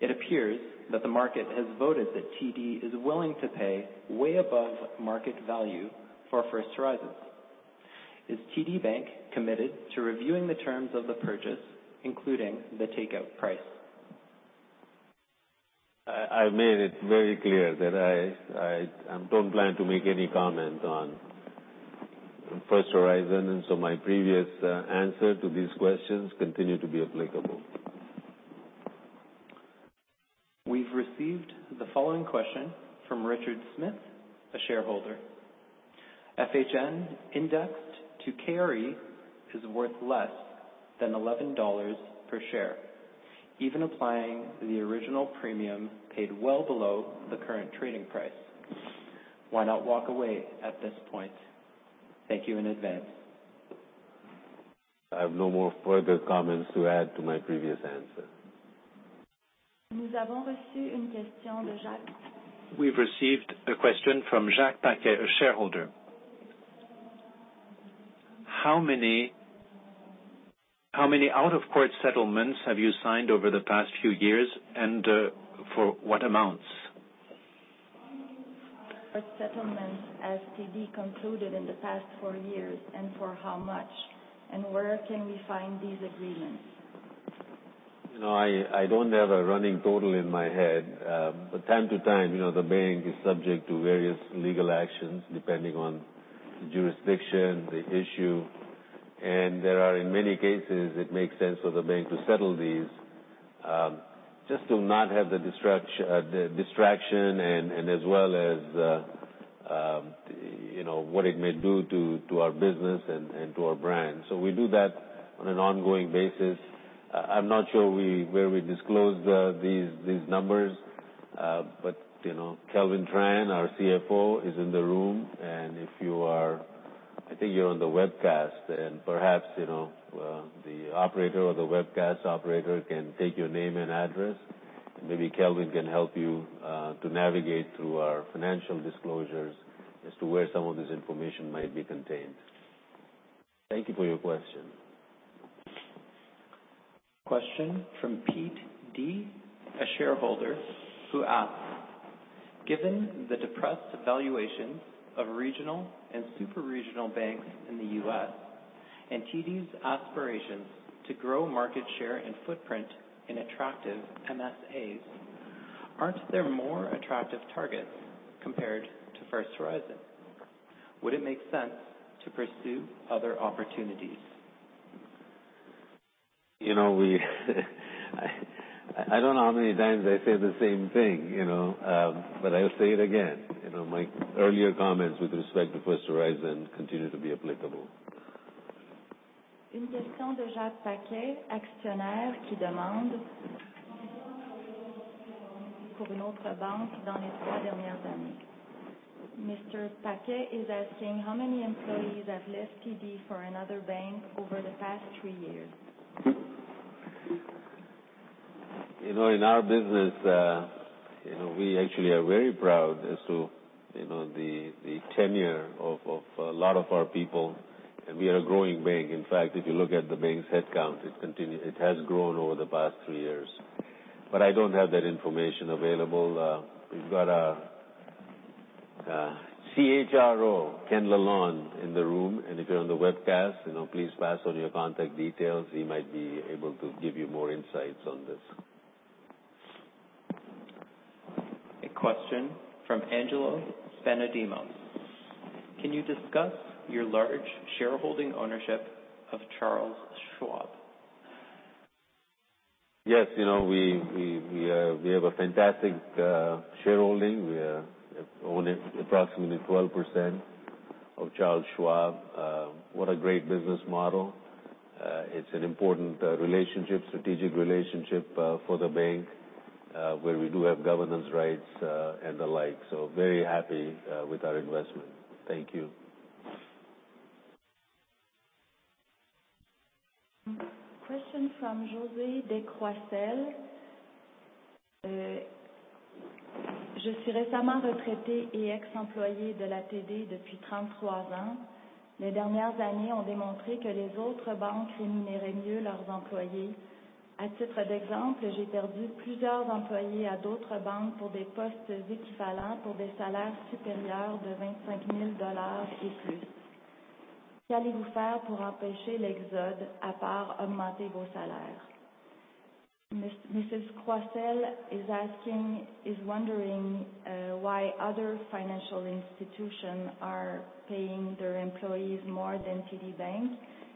It appears that the market has voted that TD is willing to pay way above market value for First Horizon. Is TD Bank committed to reviewing the terms of the purchase, including the takeout price? I made it very clear that I don't plan to make any comment on First Horizon, and so my previous answer to these questions continue to be applicable. We've received the following question from Richard Smith, a shareholder. FHN indexed to carry is worth less than $11 per share, even applying the original premium paid well below the current trading price. Why not walk away at this point? Thank you in advance. I have no more further comments to add to my previous answer. We have received a question from Jacques Paquet, a shareholder. How many out-of-court settlements have you signed over the past few years, and for what amounts? How many out-of-court settlements has TD concluded in the past four years, and for how much? Where can we find these agreements? You know, I don't have a running total in my head. Time to time, you know, the bank is subject to various legal actions depending on the jurisdiction, the issue. There are in many cases it makes sense for the bank to settle these, just to not have the distraction and as well as, you know, what it may do to our business and to our brand. We do that on an ongoing basis. I'm not sure where we disclose these numbers. You know, Kelvin Tran, our CFO, is in the room. If you are... I think you're on the webcast, and perhaps, you know, the operator or the webcast operator can take your name and address. Maybe Kelvin can help you to navigate through our financial disclosures as to where some of this information might be contained. Thank you for your question. Question from Pete Dee, a shareholder, who asks: Given the depressed valuations of regional and super-regional banks in the U.S. and TD's aspirations to grow market share and footprint in attractive MSAs, aren't there more attractive targets compared to First Horizon? Would it make sense to pursue other opportunities? You know, I don't know how many times I say the same thing, you know, I'll say it again. You know, my earlier comments with respect to First Horizon continue to be applicable. Mr. Paquet is asking how many employees have left TD for another bank over the past three years? You know, in our business, you know, we actually are very proud as to, you know, the tenure of a lot of our people, and we are a growing bank. In fact, if you look at the bank's headcount, it has grown over the past three years. I don't have that information available. We've got our CHRO, Kenn Lalonde, in the room, and if you're on the webcast, you know, please pass on your contact details. He might be able to give you more insights on this. A question from Angelo Panadimos: Can you discuss your large shareholding ownership of Charles Schwab? Yes. You know, we, we have a fantastic shareholding. We own approximately 12% of Charles Schwab. What a great business model. It's an important relationship, strategic relationship, for the bank, where we do have governance rights, and the like. Very happy with our investment. Thank you. Question from José Décroiselle. Je suis récemment retraitée et ex-employée de la TD depuis 33 ans. Les dernières années ont démontré que les autres banques rémunéraient mieux leurs employés. À titre d'exemple, j'ai perdu plusieurs employés à d'autres banques pour des postes équivalents pour des salaires supérieurs de 25,000 et plus. Qu'allez-vous faire pour empêcher l'exode à part augmenter vos salaires? Mrs. Decroissel is wondering why other financial institution are paying their employees more than TD Bank,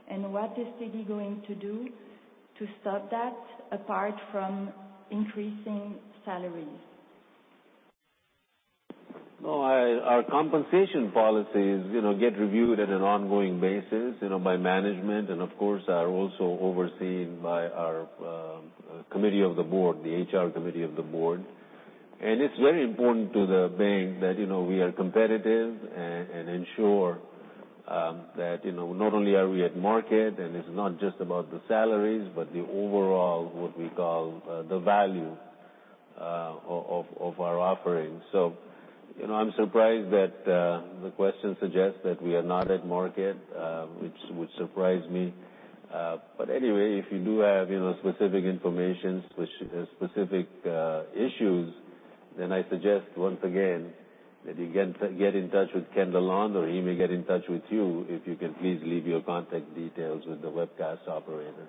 and what is TD going to do to stop that, apart from increasing salaries? No, our compensation policies, you know, get reviewed at an ongoing basis, you know, by management, and of course, are also overseen by our committee of the Board, the HR committee of the Board. It's very important to the Bank that, you know, we are competitive and ensure that, you know, not only are we at market, and it's not just about the salaries, but the overall, what we call, the value of our offerings. You know, I'm surprised that the question suggests that we are not at market, which would surprise me. Anyway, if you do have, you know, specific informations which, specific issues, I suggest once again that you get in touch with Kenn Lalonde, or he may get in touch with you if you can please leave your contact details with the webcast operator.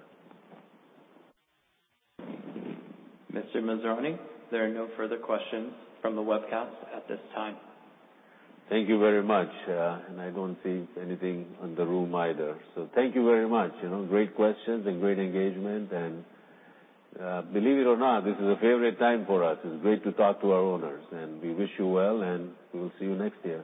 Mr. Masrani, there are no further questions from the webcast at this time. Thank you very much. I don't see anything in the room either. Thank you very much. You know, great questions and great engagement. Believe it or not, this is a favorite time for us. It's great to talk to our owners, and we wish you well, and we will see you next year.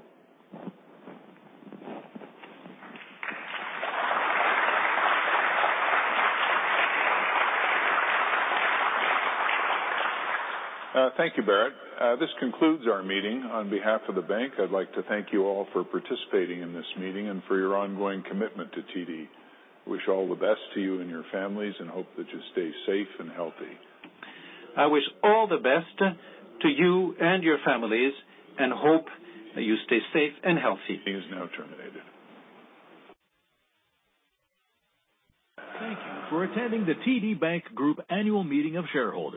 Thank you, Bharat. This concludes our meeting. On behalf of the bank, I'd like to thank you all for participating in this meeting and for your ongoing commitment to TD. Wish all the best to you and your families and hope that you stay safe and healthy. I wish all the best to you and your families and hope that you stay safe and healthy. Meeting is now terminated. Thank you for attending the TD Bank Group Annual Meeting of Shareholders.